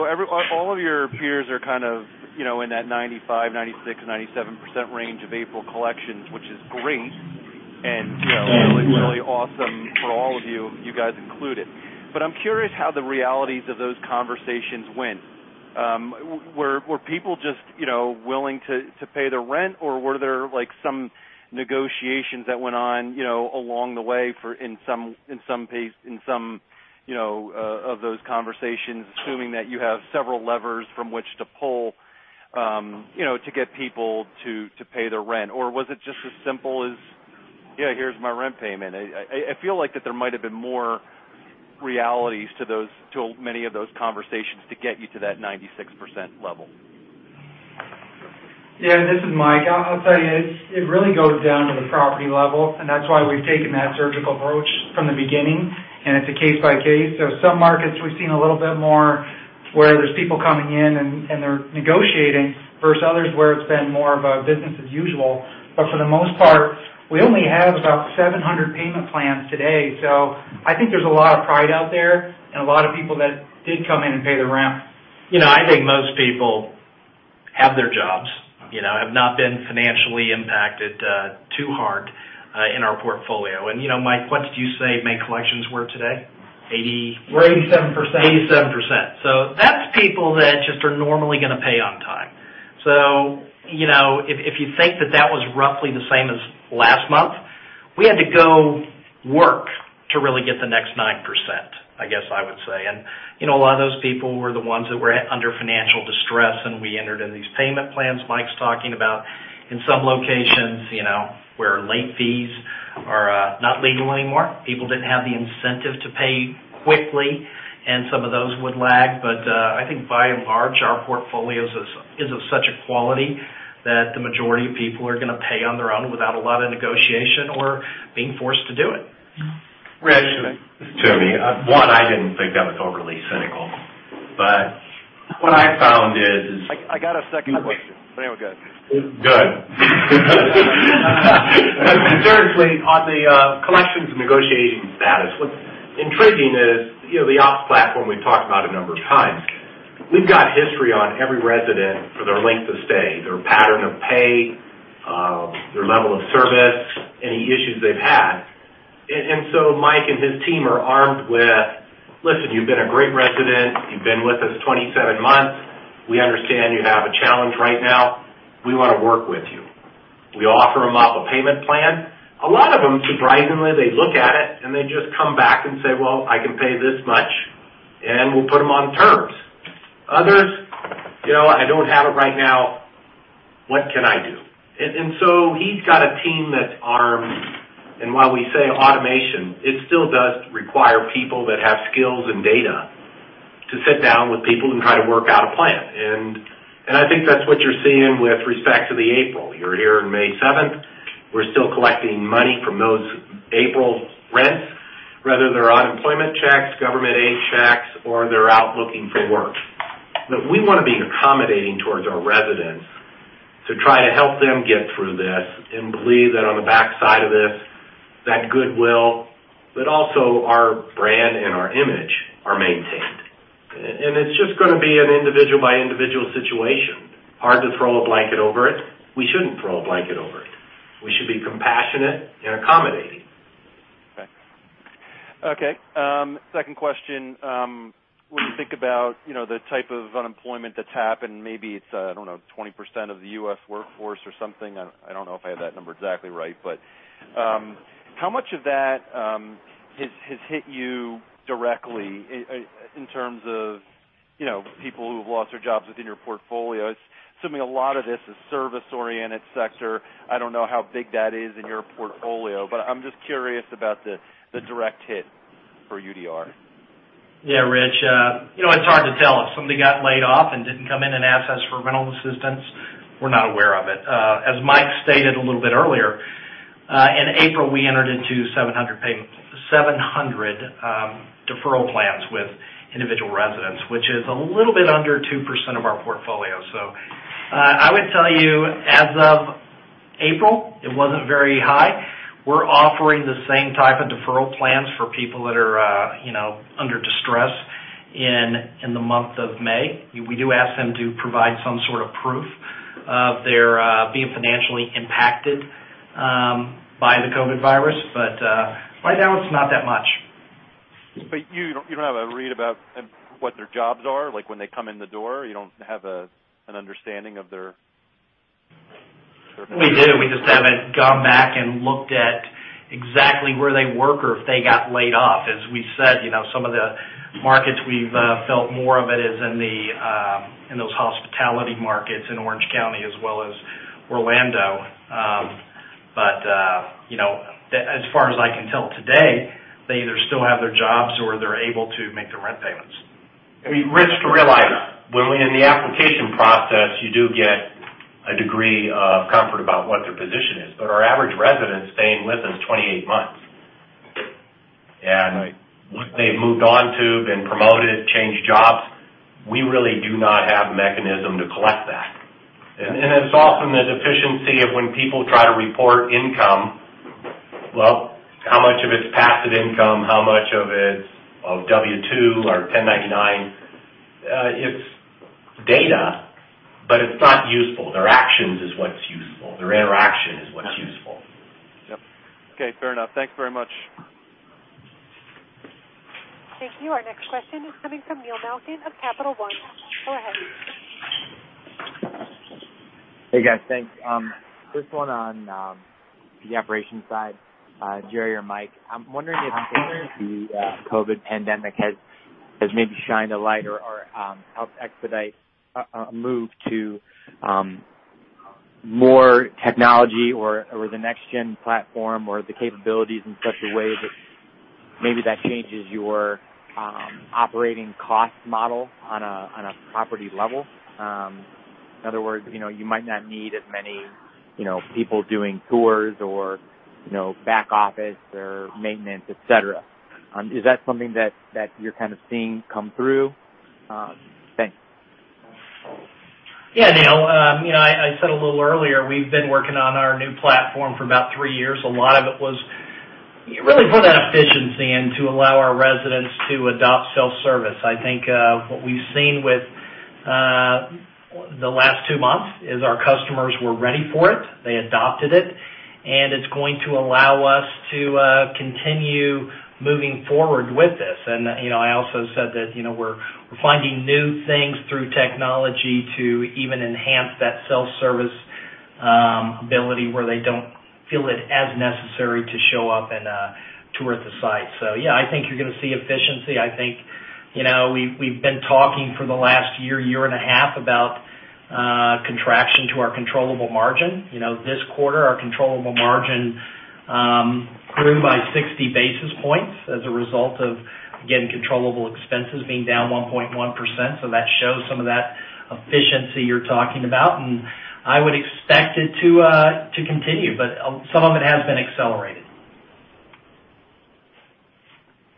All of your peers are kind of in that 95%, 96%, 97% range of April collections, which is great and really, really awesome for all of you guys included. I'm curious how the realities of those conversations went. Were people just willing to pay their rent, or were there some negotiations that went on along the way in some of those conversations, assuming that you have several levers from which to pull to get people to pay their rent? Was it just as simple as, "Yeah, here's my rent payment." I feel like that there might've been more realities to many of those conversations to get you to that 96% level. Yeah, this is Mike. I'll tell you, it really goes down to the property level, and that's why we've taken that surgical approach from the beginning, and it's a case by case. Some markets we've seen a little bit more where there's people coming in and they're negotiating, versus others where it's been more of a business as usual. For the most part, we only have about 700 payment plans today. I think there's a lot of pride out there and a lot of people that did come in and pay their rent. I think most people have their jobs, have not been financially impacted too hard in our portfolio. Mike, what did you say May collections were today? We're 87%. 87%. That's people that just are normally going to pay on time. If you think that that was roughly the same as last month, we had to go work to really get the next 9%, I guess I would say. A lot of those people were the ones that were under financial distress, and we entered in these payment plans Mike's talking about. In some locations where late fees are not legal anymore, people didn't have the incentive to pay quickly, and some of those would lag. I think by and large, our portfolios is of such a quality that the majority of people are going to pay on their own without a lot of negotiation or being forced to do it. Right. This is Toomey. One, I didn't think that was overly cynical, but what I found is. I got a second question, but go ahead. Seriously, on the collections and negotiating status, what's intriguing is the ops platform we've talked about a number of times. We've got history on every resident for their length of stay, their pattern of pay, their level of service, any issues they've had. So Mike and his team are armed with, "Listen, you've been a great resident. You've been with us 27 months. We understand you have a challenge right now. We want to work with you." We offer them up a payment plan. A lot of them, surprisingly, they look at it and they just come back and say, "Well, I can pay this much," and we'll put them on terms. Others, "I don't have it right now. What can I do?" He's got a team that's armed, and while we say automation, it still does require people that have skills and data to sit down with people and try to work out a plan. I think that's what you're seeing with respect to the April. You're here on May 7th. We're still collecting money from those April rents, whether they're unemployment checks, government aid checks, or they're out looking for work. We want to be accommodating towards our residents to try to help them get through this and believe that on the backside of this, that goodwill, but also our brand and our image are maintained. It's just going to be an individual-by-individual situation. Hard to throw a blanket over it. We shouldn't throw a blanket over it. We should be compassionate and accommodating. Okay. Second question. When you think about the type of unemployment that's happened, maybe it's, I don't know, 20% of the U.S. workforce or something. I don't know if I have that number exactly right. How much of that has hit you directly in terms of people who have lost their jobs within your portfolio? Assuming a lot of this is service-oriented sector. I don't know how big that is in your portfolio, but I'm just curious about the direct hit for UDR. Yeah, Rich. It's hard to tell. If somebody got laid off and didn't come in and ask us for rental assistance, we're not aware of it. As Mike stated a little bit earlier, in April, we entered into 700 deferral plans with individual residents, which is a little bit under 2% of our portfolio. I would tell you as of April, it wasn't very high. We're offering the same type of deferral plans for people that are under distress in the month of May. We do ask them to provide some sort of proof of their being financially impacted by the COVID-19. Right now, it's not that much. You don't have a read about what their jobs are like when they come in the door? We do. We just haven't gone back and looked at exactly where they work or if they got laid off. As we said, some of the markets we've felt more of it is in those hospitality markets in Orange County as well as Orlando. As far as I can tell today, they either still have their jobs or they're able to make their rent payments. We risk realizing when in the application process, you do get a degree of comfort about what their position is. Our average resident staying with us 28 months. Right. What they've moved on to, been promoted, changed jobs, we really do not have a mechanism to collect that. It's often the deficiency of when people try to report income, well, how much of it's passive income? How much of it's W-2 or 1099? It's data, but it's not useful. Their actions is what's useful. Their interaction is what's useful. Yep. Okay. Fair enough. Thanks very much. Thank you. Our next question is coming from Neil Malkin of Capital One. Go ahead. Hey, guys. Thanks. Just one on the operations side, Jerry or Mike. I'm wondering if the COVID pandemic has maybe shined a light or helped expedite a move to more technology or the next gen platform or the capabilities in such a way that maybe that changes your operating cost model on a property level. In other words, you might not need as many people doing tours or back office or maintenance, et cetera. Is that something that you're kind of seeing come through? Thanks. Yeah, Neil. I said a little earlier, we've been working on our new platform for about three years. A lot of it was really for that efficiency and to allow our residents to adopt self-service. I think what we've seen with the last two months is our customers were ready for it. They adopted it's going to allow us to continue moving forward with this. I also said that we're finding new things through technology to even enhance that self-service ability where they don't feel it as necessary to show up and tour at the site. Yeah, I think you're going to see efficiency. I think we've been talking for the last year and a half about contraction to our controllable margin. This quarter, our controllable margin grew by 60 basis points as a result of, again, controllable expenses being down 1.1%. That shows some of that efficiency you're talking about, and I would expect it to continue. Some of it has been accelerated.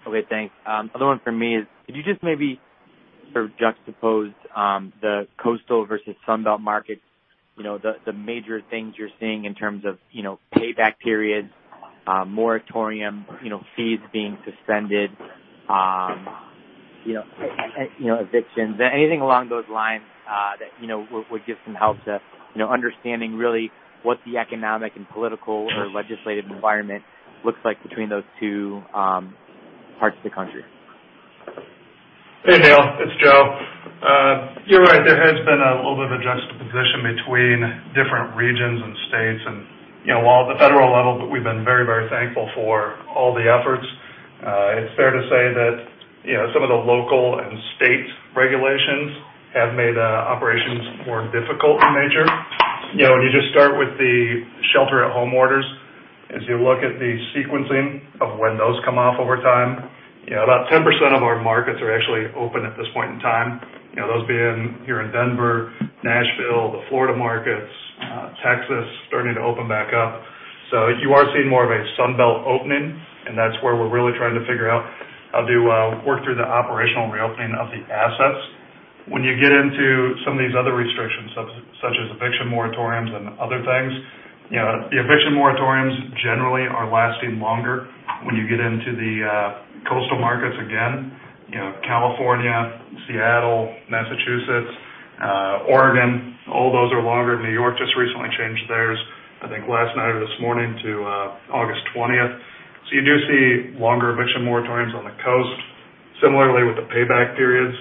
Okay, thanks. Other one from me is, could you just maybe sort of juxtapose the Coastal versus Sun Belt markets, the major things you're seeing in terms of payback periods, moratorium, fees being suspended, evictions. Anything along those lines that would give some help to understanding really what the economic and political or legislative environment looks like between those two parts of the country. Hey, Neil, it's Joe. You're right, there has been a little bit of a juxtaposition between different regions and states. While at the federal level, we've been very, very thankful for all the efforts, it's fair to say that some of the local and state regulations have made operations more difficult in nature. When you just start with the shelter at home orders, as you look at the sequencing of when those come off over time, about 10% of our markets are actually open at this point in time. Those being here in Denver, Nashville, the Florida markets, Texas starting to open back up. You are seeing more of a Sun Belt opening, and that's where we're really trying to figure out how to work through the operational reopening of the assets. When you get into some of these other restrictions, such as eviction moratoriums and other things, the eviction moratoriums generally are lasting longer when you get into the coastal markets again. California, Seattle, Massachusetts, Oregon, all those are longer. New York just recently changed theirs, I think last night or this morning, to August 20th. You do see longer eviction moratoriums on the coast. Similarly, with the payback periods,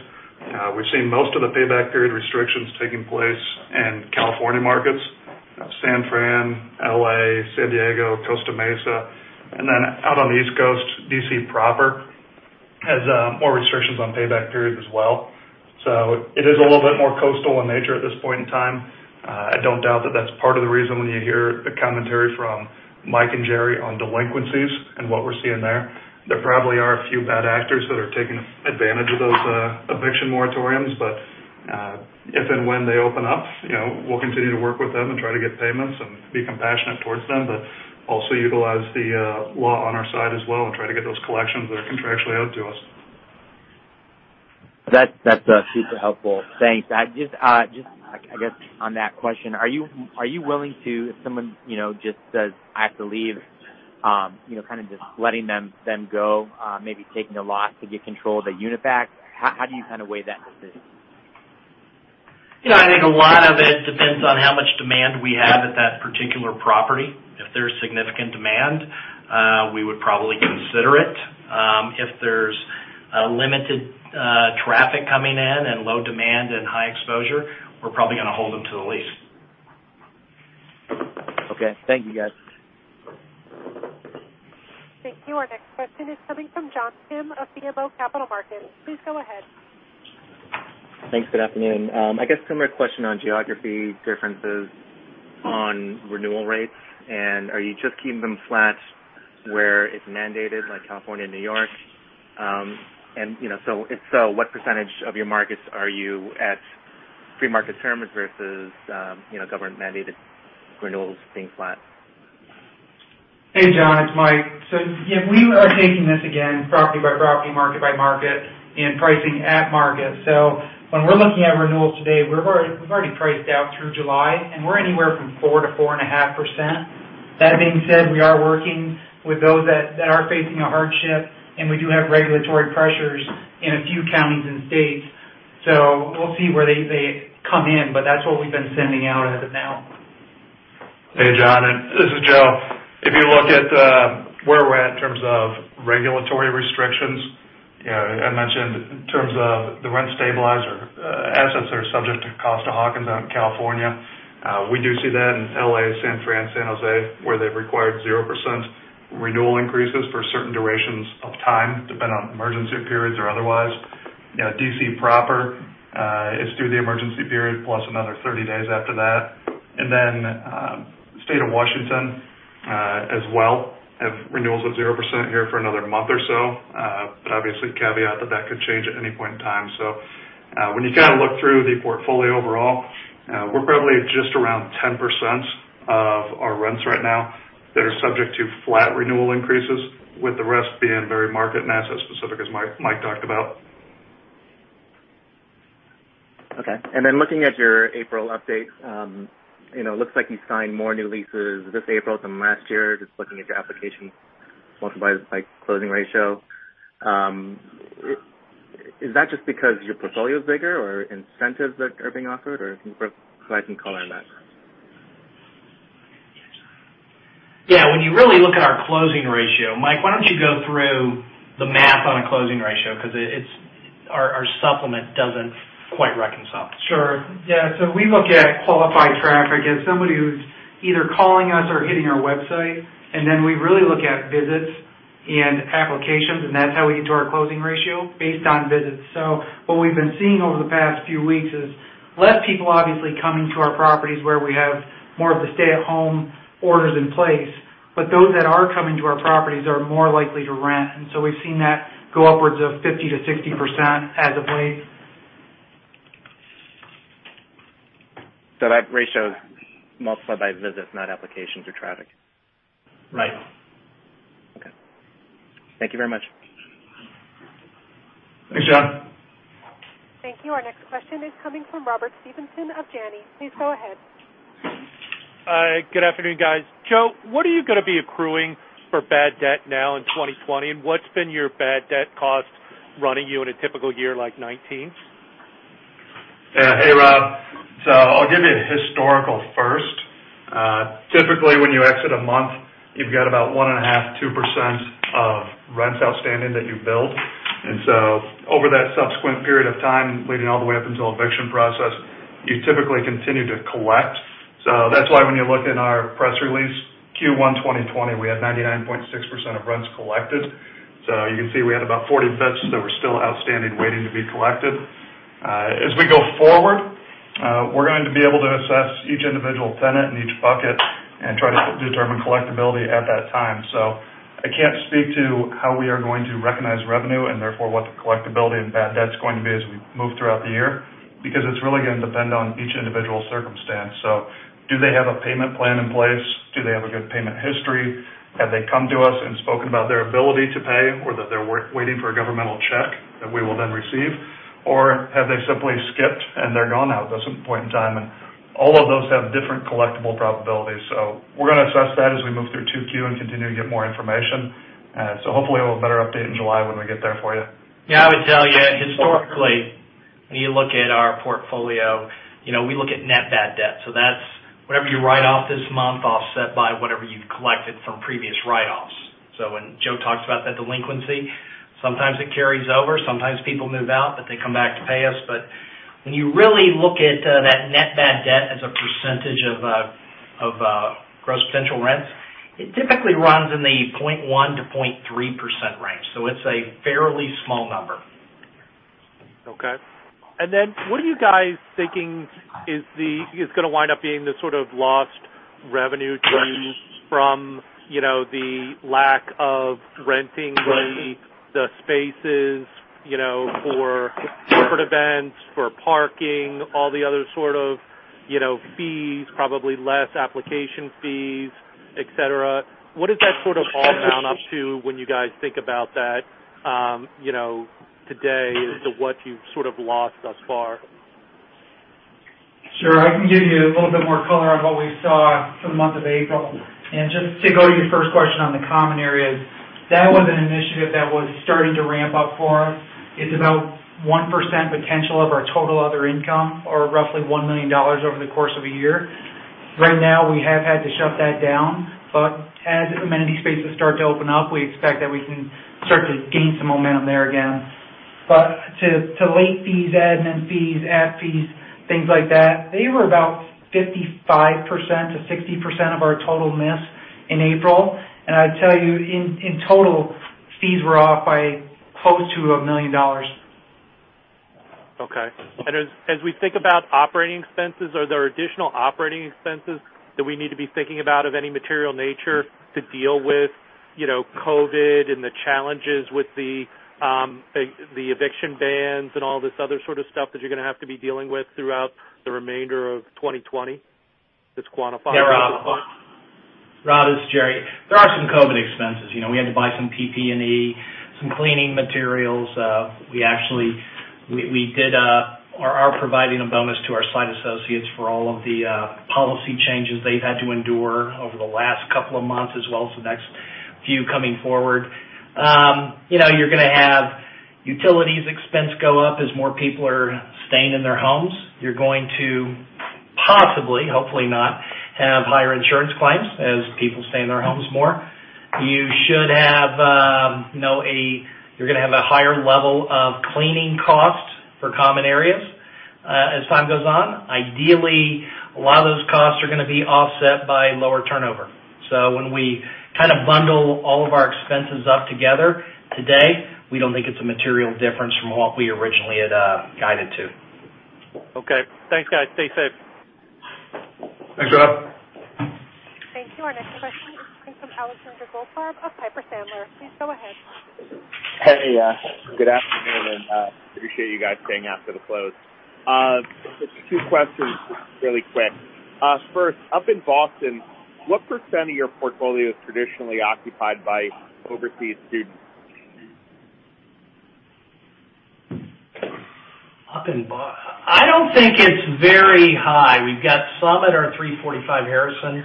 we've seen most of the payback period restrictions taking place in California markets, San Fran, L.A., San Diego, Costa Mesa. Out on the East Coast, D.C. proper has more restrictions on payback periods as well. It is a little bit more coastal in nature at this point in time. I don't doubt that that's part of the reason when you hear the commentary from Mike and Jerry on delinquencies and what we're seeing there. There probably are a few bad actors that are taking advantage of those eviction moratoriums. If and when they open up, we'll continue to work with them and try to get payments and be compassionate towards them, but also utilize the law on our side as well and try to get those collections that are contractually owed to us. That's super helpful. Thanks. Just, I guess on that question, are you willing to, if someone just says, "I have to leave," kind of just letting them go, maybe taking a loss to get control of the unit back? How do you kind of weigh that decision? I think a lot of it depends on how much demand we have at that particular property. If there's significant demand, we would probably consider it. If there's a limited traffic coming in and low demand and high exposure, we're probably going to hold them to the lease. Okay. Thank you, guys. Thank you. Our next question is coming from John Kim of BMO Capital Markets. Please go ahead. Thanks. Good afternoon. I guess similar question on geography differences on renewal rates, and are you just keeping them flat where it's mandated, like California and New York? If so, what percentage of your markets are you at free market terms versus government-mandated renewals being flat? Hey, John, it's Mike. Yeah, we are taking this, again, property by property, market by market, and pricing at market. When we're looking at renewals today, we've already priced out through July, and we're anywhere from 4%-4.5%. That being said, we are working with those that are facing a hardship, and we do have regulatory pressures in a few counties and states. We'll see where they come in, but that's what we've been sending out as of now. Hey, John. This is Joe. If you look at where we're at in terms of regulatory restrictions, I mentioned in terms of the rent stabilizer assets are subject to Costa-Hawkins out in California. We do see that in L.A., San Fran, San Jose, where they've required 0% renewal increases for certain durations of time, depending on emergency periods or otherwise. D.C. proper is through the emergency period, plus another 30 days after that. The state of Washington as well have renewals of 0% here for another month or so. Obviously, caveat that that could change at any point in time. When you look through the portfolio overall, we're probably at just around 10% of our rents right now that are subject to flat renewal increases, with the rest being very market and asset specific, as Mike talked about. Okay. Looking at your April updates, it looks like you signed more new leases this April than last year, just looking at your application multiplied by closing ratio. Is that just because your portfolio's bigger, or incentives that are being offered? Can you provide some color on that? Yeah. When you really look at our closing ratio Mike, why don't you go through the math on a closing ratio, because our supplement doesn't quite reconcile. Sure. Yeah. We look at qualified traffic as somebody who's either calling us or hitting our website, and then we really look at visits and applications, and that's how we get to our closing ratio based on visits. What we've been seeing over the past few weeks is less people obviously coming to our properties where we have more of the stay-at-home orders in place. Those that are coming to our properties are more likely to rent. We've seen that go upwards of 50%-60% as of late. That ratio is multiplied by visits, not applications or traffic? Right. Okay. Thank you very much. Thanks, John. Thank you. Our next question is coming from Robert Stevenson of Janney. Please go ahead. Good afternoon, guys. Joe, what are you going to be accruing for bad debt now in 2020, and what's been your bad debt cost running you in a typical year like 2019? Hey, Rob. I'll give you a historical first. Typically, when you exit a month, you've got about 1.5%, 2% of rents outstanding that you've billed. Over that subsequent period of time leading all the way up until eviction process, you typically continue to collect. That's why when you look in our press release Q1 2020, we had 99.6% of rents collected. You can see we had about 40 basis points that were still outstanding waiting to be collected. As we go forward, we're going to be able to assess each individual tenant in each bucket and try to determine collectibility at that time. I can't speak to how we are going to recognize revenue and therefore what the collectibility and bad debt's going to be as we move throughout the year, because it's really going to depend on each individual circumstance. Do they have a payment plan in place? Do they have a good payment history? Have they come to us and spoken about their ability to pay, or that they're waiting for a governmental check that we will then receive? Or have they simply skipped and they're gone now at this point in time? All of those have different collectible probabilities. We're going to assess that as we move through 2Q and continue to get more information. Hopefully we'll have a better update in July when we get there for you. I would tell you historically, when you look at our portfolio, we look at net bad debt. That's whatever you write off this month offset by whatever you've collected from previous write-offs. When Joe talks about that delinquency, sometimes it carries over. Sometimes people move out, but they come back to pay us. When you really look at that net bad debt as a percentage of gross potential rents, it typically runs in the 0.1%-0.3% range. It's a fairly small number. Okay. What are you guys thinking is going to wind up being the sort of lost revenue due from the lack of renting the spaces for corporate events, for parking, all the other sort of fees, probably less application fees, et cetera. What does that sort of all amount up to when you guys think about that today as to what you've sort of lost thus far? Sure. I can give you a little bit more color on what we saw for the month of April. Just to go to your first question on the common areas, that was an initiative that was starting to ramp up for us. It's about 1% potential of our total other income, or roughly $1 million over the course of a year. Right now, we have had to shut that down, but as amenity spaces start to open up, we expect that we can start to gain some momentum there again. To late fees, admin fees, app fees, things like that, they were about 55%-60% of our total miss in April. I'd tell you, in total, fees were off by close to $1 million. Okay. As we think about operating expenses, are there additional operating expenses that we need to be thinking about of any material nature to deal with COVID and the challenges with the eviction bans and all this other sort of stuff that you're going to have to be dealing with throughout the remainder of 2020 that's quantifiable at this point? Rob, it's Jerry. There are some COVID expenses. We had to buy some PPE, some cleaning materials. We are providing a bonus to our site associates for all of the policy changes they've had to endure over the last couple of months as well as the next few coming forward. You're going to have utilities expense go up as more people are staying in their homes. You're going to possibly, hopefully not, have higher insurance claims as people stay in their homes more. You're going to have a higher level of cleaning costs for common areas as time goes on. Ideally, a lot of those costs are going to be offset by lower turnover. When we bundle all of our expenses up together today, we don't think it's a material difference from what we originally had guided to. Okay. Thanks, guys. Stay safe. Thanks, Rob. Thank you. Our next question is coming from Alexander Goldfarb of Piper Sandler. Please go ahead. Hey. Good afternoon. Appreciate you guys staying after the close. Just two questions really quick. First, up in Boston, what percent of your portfolio is traditionally occupied by overseas students? Up in Boston I don't think it's very high. We've got some at our 345 Harrison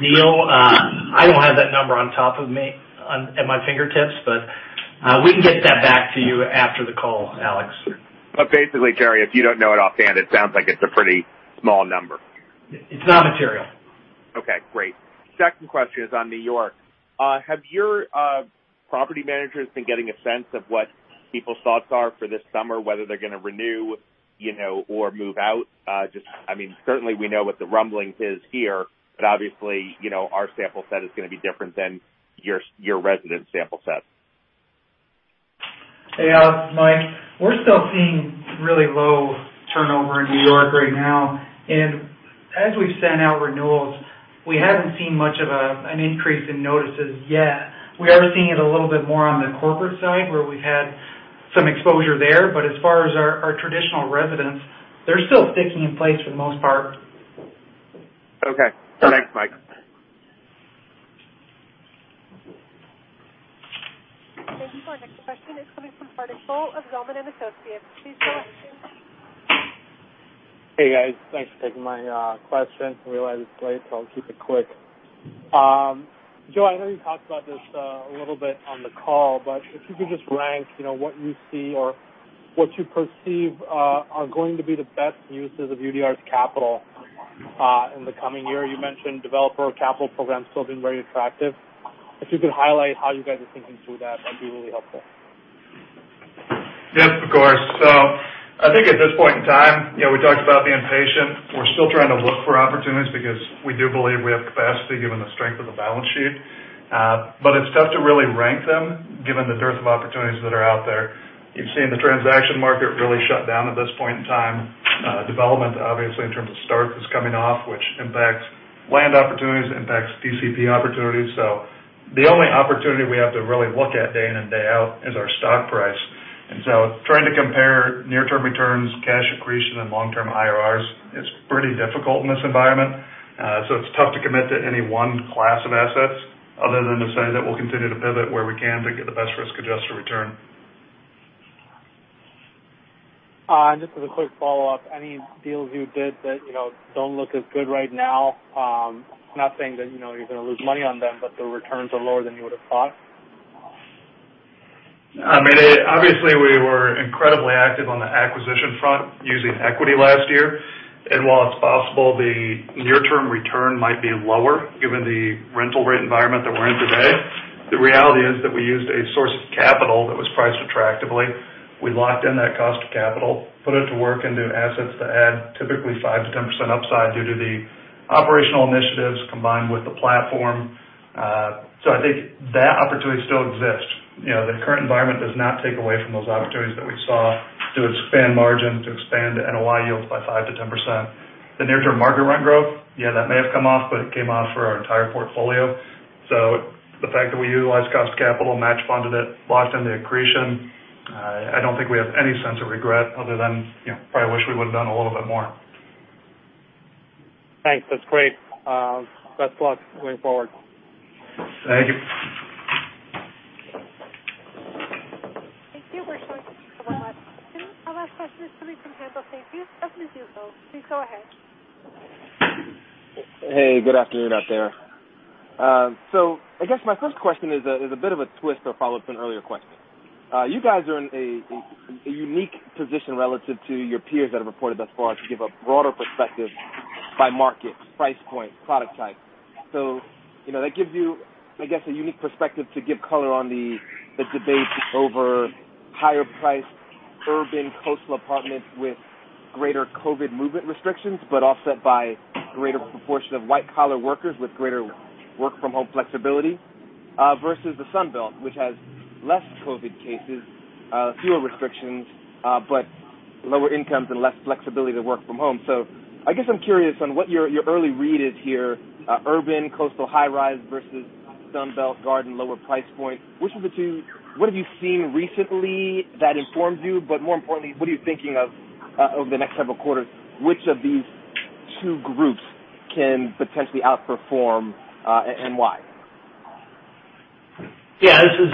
deal. I don't have that number on top of me, at my fingertips, but we can get that back to you after the call, Alex. Basically, Jerry, if you don't know it offhand, it sounds like it's a pretty small number. It's not material. Okay, great. Second question is on New York. Have your property managers been getting a sense of what people's thoughts are for this summer, whether they're going to renew or move out? Certainly, we know what the rumblings is here, but obviously, our sample set is going to be different than your resident sample set. Hey, Alex. It's Mike. We're still seeing really low turnover in New York right now. As we've sent out renewals, we haven't seen much of an increase in notices yet. We are seeing it a little bit more on the corporate side, where we've had some exposure there. As far as our traditional residents, they're still sticking in place for the most part. Okay. Thanks, Mike. Thank you. Our next question is coming from Hardik Goel of Zelman & Associates. Please go ahead. Hey, guys. Thanks for taking my question. I realize it's late. I'll keep it quick. Joe, I know you talked about this a little bit on the call. If you could just rank what you see or what you perceive are going to be the best uses of UDR's capital in the coming year. You mentioned Developer Capital Program still being very attractive. If you could highlight how you guys are thinking through that'd be really helpful. Yes, of course. I think at this point in time, we talked about being patient. We're still trying to look for opportunities because we do believe we have capacity given the strength of the balance sheet. It's tough to really rank them given the dearth of opportunities that are out there. You've seen the transaction market really shut down at this point in time. Development, obviously, in terms of starts is coming off, which impacts land opportunities, impacts DCP opportunities. The only opportunity we have to really look at day in and day out is our stock price. Trying to compare near-term returns, cash accretion, and long-term IRRs is pretty difficult in this environment. It's tough to commit to any one class of assets other than to say that we'll continue to pivot where we can to get the best risk-adjusted return. Just as a quick follow-up, any deals you did that don't look as good right now? Not saying that you're going to lose money on them, but the returns are lower than you would've thought. Obviously, we were incredibly active on the acquisition front using equity last year. While it's possible the near-term return might be lower given the rental rate environment that we're in today, the reality is that we used a source of capital that was priced attractively. We locked in that cost of capital, put it to work into assets that add typically 5%-10% upside due to the operational initiatives combined with the platform. I think that opportunity still exists. The current environment does not take away from those opportunities that we saw to expand margin, to expand NOI yields by 5%-10%. The near-term market rent growth, that may have come off, but it came off for our entire portfolio. The fact that we utilized cost of capital, match funded it, locked in the accretion, I don't think we have any sense of regret other than probably wish we would've done a little bit more. Thanks. That's great. Best of luck going forward. Thank you. Thank you. We're short on time, one last. Our last question is coming from Haendel St. Juste, Mizuho. Please go ahead. Hey, good afternoon out there. I guess my first question is a bit of a twist or follow-up to an earlier question. You guys are in a unique position relative to your peers that have reported thus far to give a broader perspective by market, price point, product type. That gives you, I guess, a unique perspective to give color on the debate over higher-priced urban coastal apartments with greater COVID-19 movement restrictions, but offset by greater proportion of white-collar workers with greater work-from-home flexibility, versus the Sun Belt, which has less COVID-19 cases, fewer restrictions, but lower incomes and less flexibility to work from home. I guess I'm curious on what your early read is here, urban coastal high-rise versus Sun Belt garden lower price point. What have you seen recently that informs you? More importantly, what are you thinking of over the next several quarters? Which of these two groups can potentially outperform, and why? Yeah. This is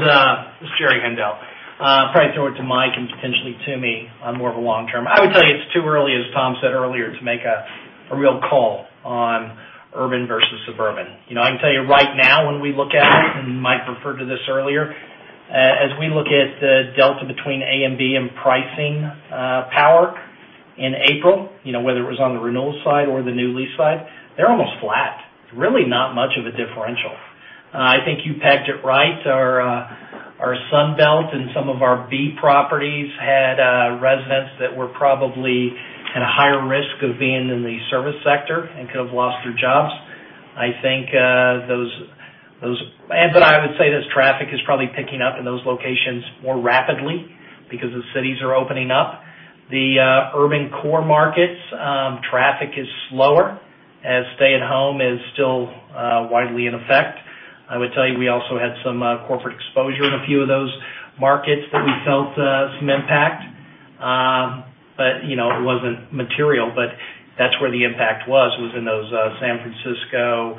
Jerry. Haendel, I'll probably throw it to Mike and potentially Toomey on more of a long-term. I would tell you it's too early, as Tom said earlier, to make a real call on urban versus suburban. I can tell you right now when we look at it, and Mike referred to this earlier, as we look at the delta between A and B in pricing power in April, whether it was on the renewal side or the new lease side, they're almost flat. It's really not much of a differential. I think you pegged it right. Our Sun Belt and some of our B properties had residents that were probably at a higher risk of being in the service sector and could've lost their jobs. I would say this traffic is probably picking up in those locations more rapidly because the cities are opening up. The urban core markets, traffic is slower as stay-at-home is still widely in effect. I would tell you we also had some corporate exposure in a few of those markets that we felt some impact. It wasn't material, that's where the impact was in those San Francisco,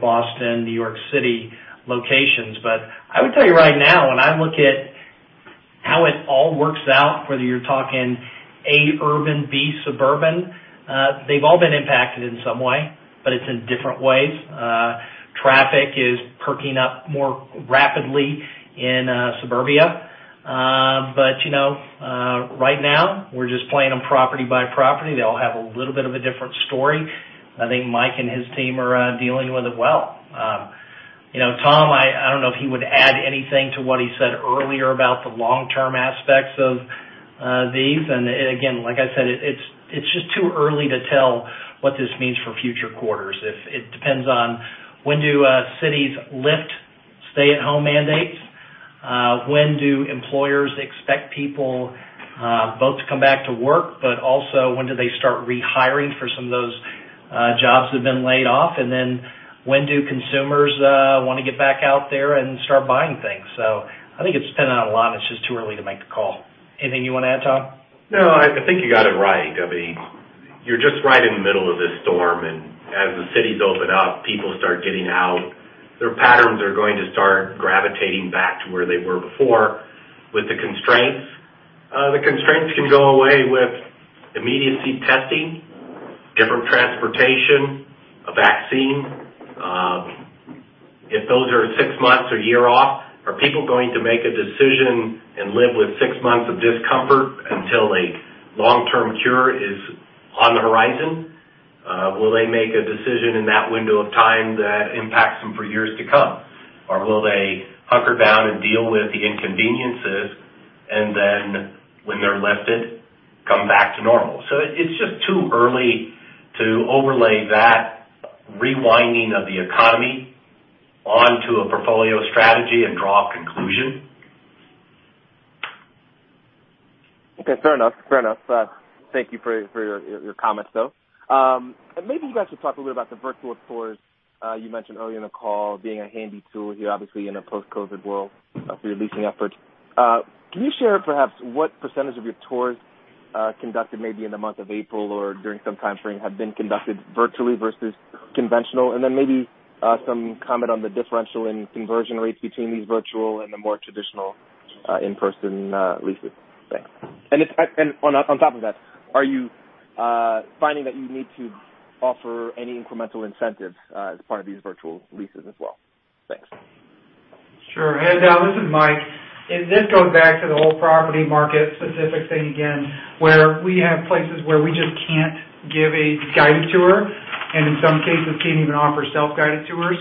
Boston, New York City locations. I would tell you right now, when I look at how it all works out, whether you're talking A urban, B suburban, they've all been impacted in some way, but it's in different ways. Traffic is perking up more rapidly in suburbia. Right now, we're just playing them property by property. They all have a little bit of a different story. I think Mike and his team are dealing with it well. Tom, I don't know if he would add anything to what he said earlier about the long-term aspects of these. Again, like I said, it's just too early to tell what this means for future quarters. It depends on when do cities lift stay-at-home mandates, when do employers expect people both to come back to work, but also when do they start rehiring for some of those jobs that have been laid off, and then when do consumers want to get back out there and start buying things. I think it's dependent on a lot, and it's just too early to make the call. Anything you want to add, Tom? No, I think you got it right. You're just right in the middle of this storm, and as the cities open up, people start getting out. Their patterns are going to start gravitating back to where they were before. With the constraints, the constraints can go away with immediacy testing, different transportation, a vaccine. If those are six months or a year off, are people going to make a decision and live with six months of discomfort until a long-term cure is on the horizon? Will they make a decision in that window of time that impacts them for years to come? Will they hunker down and deal with the inconveniences, and then when they're lifted, come back to normal? It's just too early to overlay that rewinding of the economy onto a portfolio strategy and draw a conclusion. Okay. Fair enough. Thank you for your comments, though. Maybe you guys could talk a little about the virtual tours you mentioned earlier in the call, being a handy tool here, obviously, in a post-COVID-19 world for your leasing efforts. Can you share perhaps what percent of your tours conducted maybe in the month of April or during some time frame, have been conducted virtually versus conventional? Maybe some comment on the differential in conversion rates between these virtual and the more traditional in-person leases. Thanks. On top of that, are you finding that you need to offer any incremental incentives as part of these virtual leases as well? Thanks. Sure. Haendel, this is Mike. This goes back to the whole property market specific thing again, where we have places where we just can't give a guided tour, and in some cases, can't even offer self-guided tours.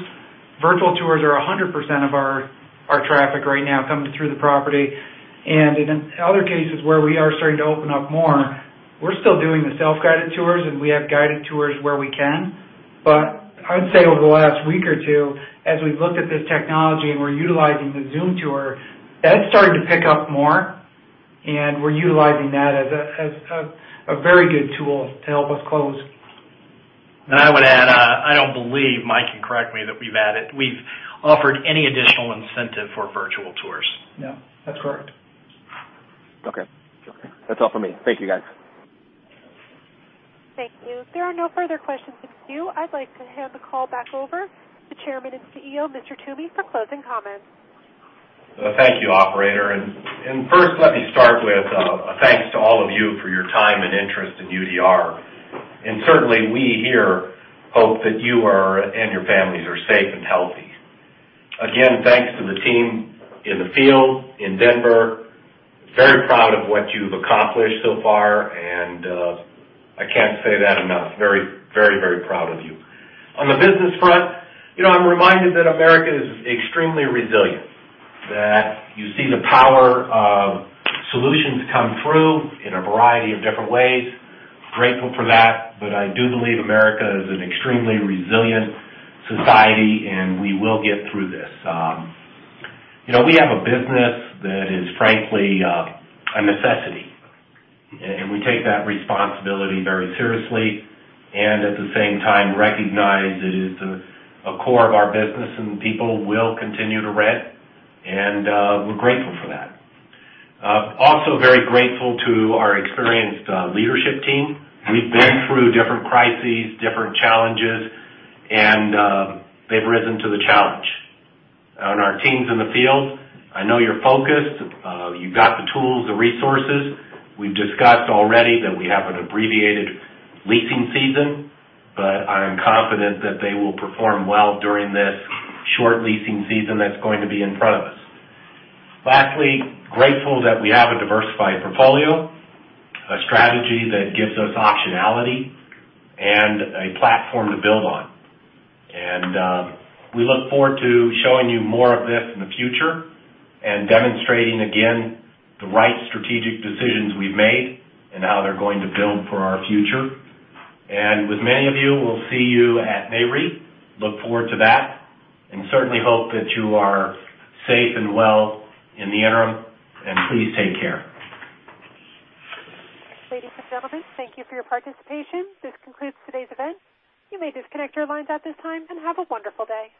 Virtual tours are 100% of our traffic right now coming through the property. In other cases where we are starting to open up more, we're still doing the self-guided tours, and we have guided tours where we can. I'd say over the last week or two, as we've looked at this technology and we're utilizing the Zoom tour, that's started to pick up more, and we're utilizing that as a very good tool to help us close. I would add, I don't believe, Mike can correct me, that we've offered any additional incentive for virtual tours. No, that's correct. Okay. That's all for me. Thank you, guys. Thank you. If there are no further questions in queue, I'd like to hand the call back over to Chairman and CEO, Mr. Toomey, for closing comments. Thank you, operator. First, let me start with a thanks to all of you for your time and interest in UDR. Certainly, we here hope that you and your families are safe and healthy. Again, thanks to the team in the field, in Denver. Very proud of what you've accomplished so far, and I can't say that enough. Very, very proud of you. On the business front, I'm reminded that America is extremely resilient, that you see the power of solutions come through in a variety of different ways. Grateful for that, I do believe America is an extremely resilient society, and we will get through this. We have a business that is, frankly, a necessity, and we take that responsibility very seriously, and at the same time, recognize it is a core of our business, and people will continue to rent, and we're grateful for that. Also very grateful to our experienced leadership team. We've been through different crises, different challenges, and they've risen to the challenge. On our teams in the field, I know you're focused. You've got the tools, the resources. We've discussed already that we have an abbreviated leasing season, but I am confident that they will perform well during this short leasing season that's going to be in front of us. Lastly, grateful that we have a diversified portfolio, a strategy that gives us optionality, and a platform to build on. We look forward to showing you more of this in the future and demonstrating again the right strategic decisions we've made and how they're going to build for our future. With many of you, we'll see you at Nareit. Look forward to that, and certainly hope that you are safe and well in the interim, and please take care. Ladies and gentlemen, thank you for your participation. This concludes today's event. You may disconnect your lines at this time, and have a wonderful day.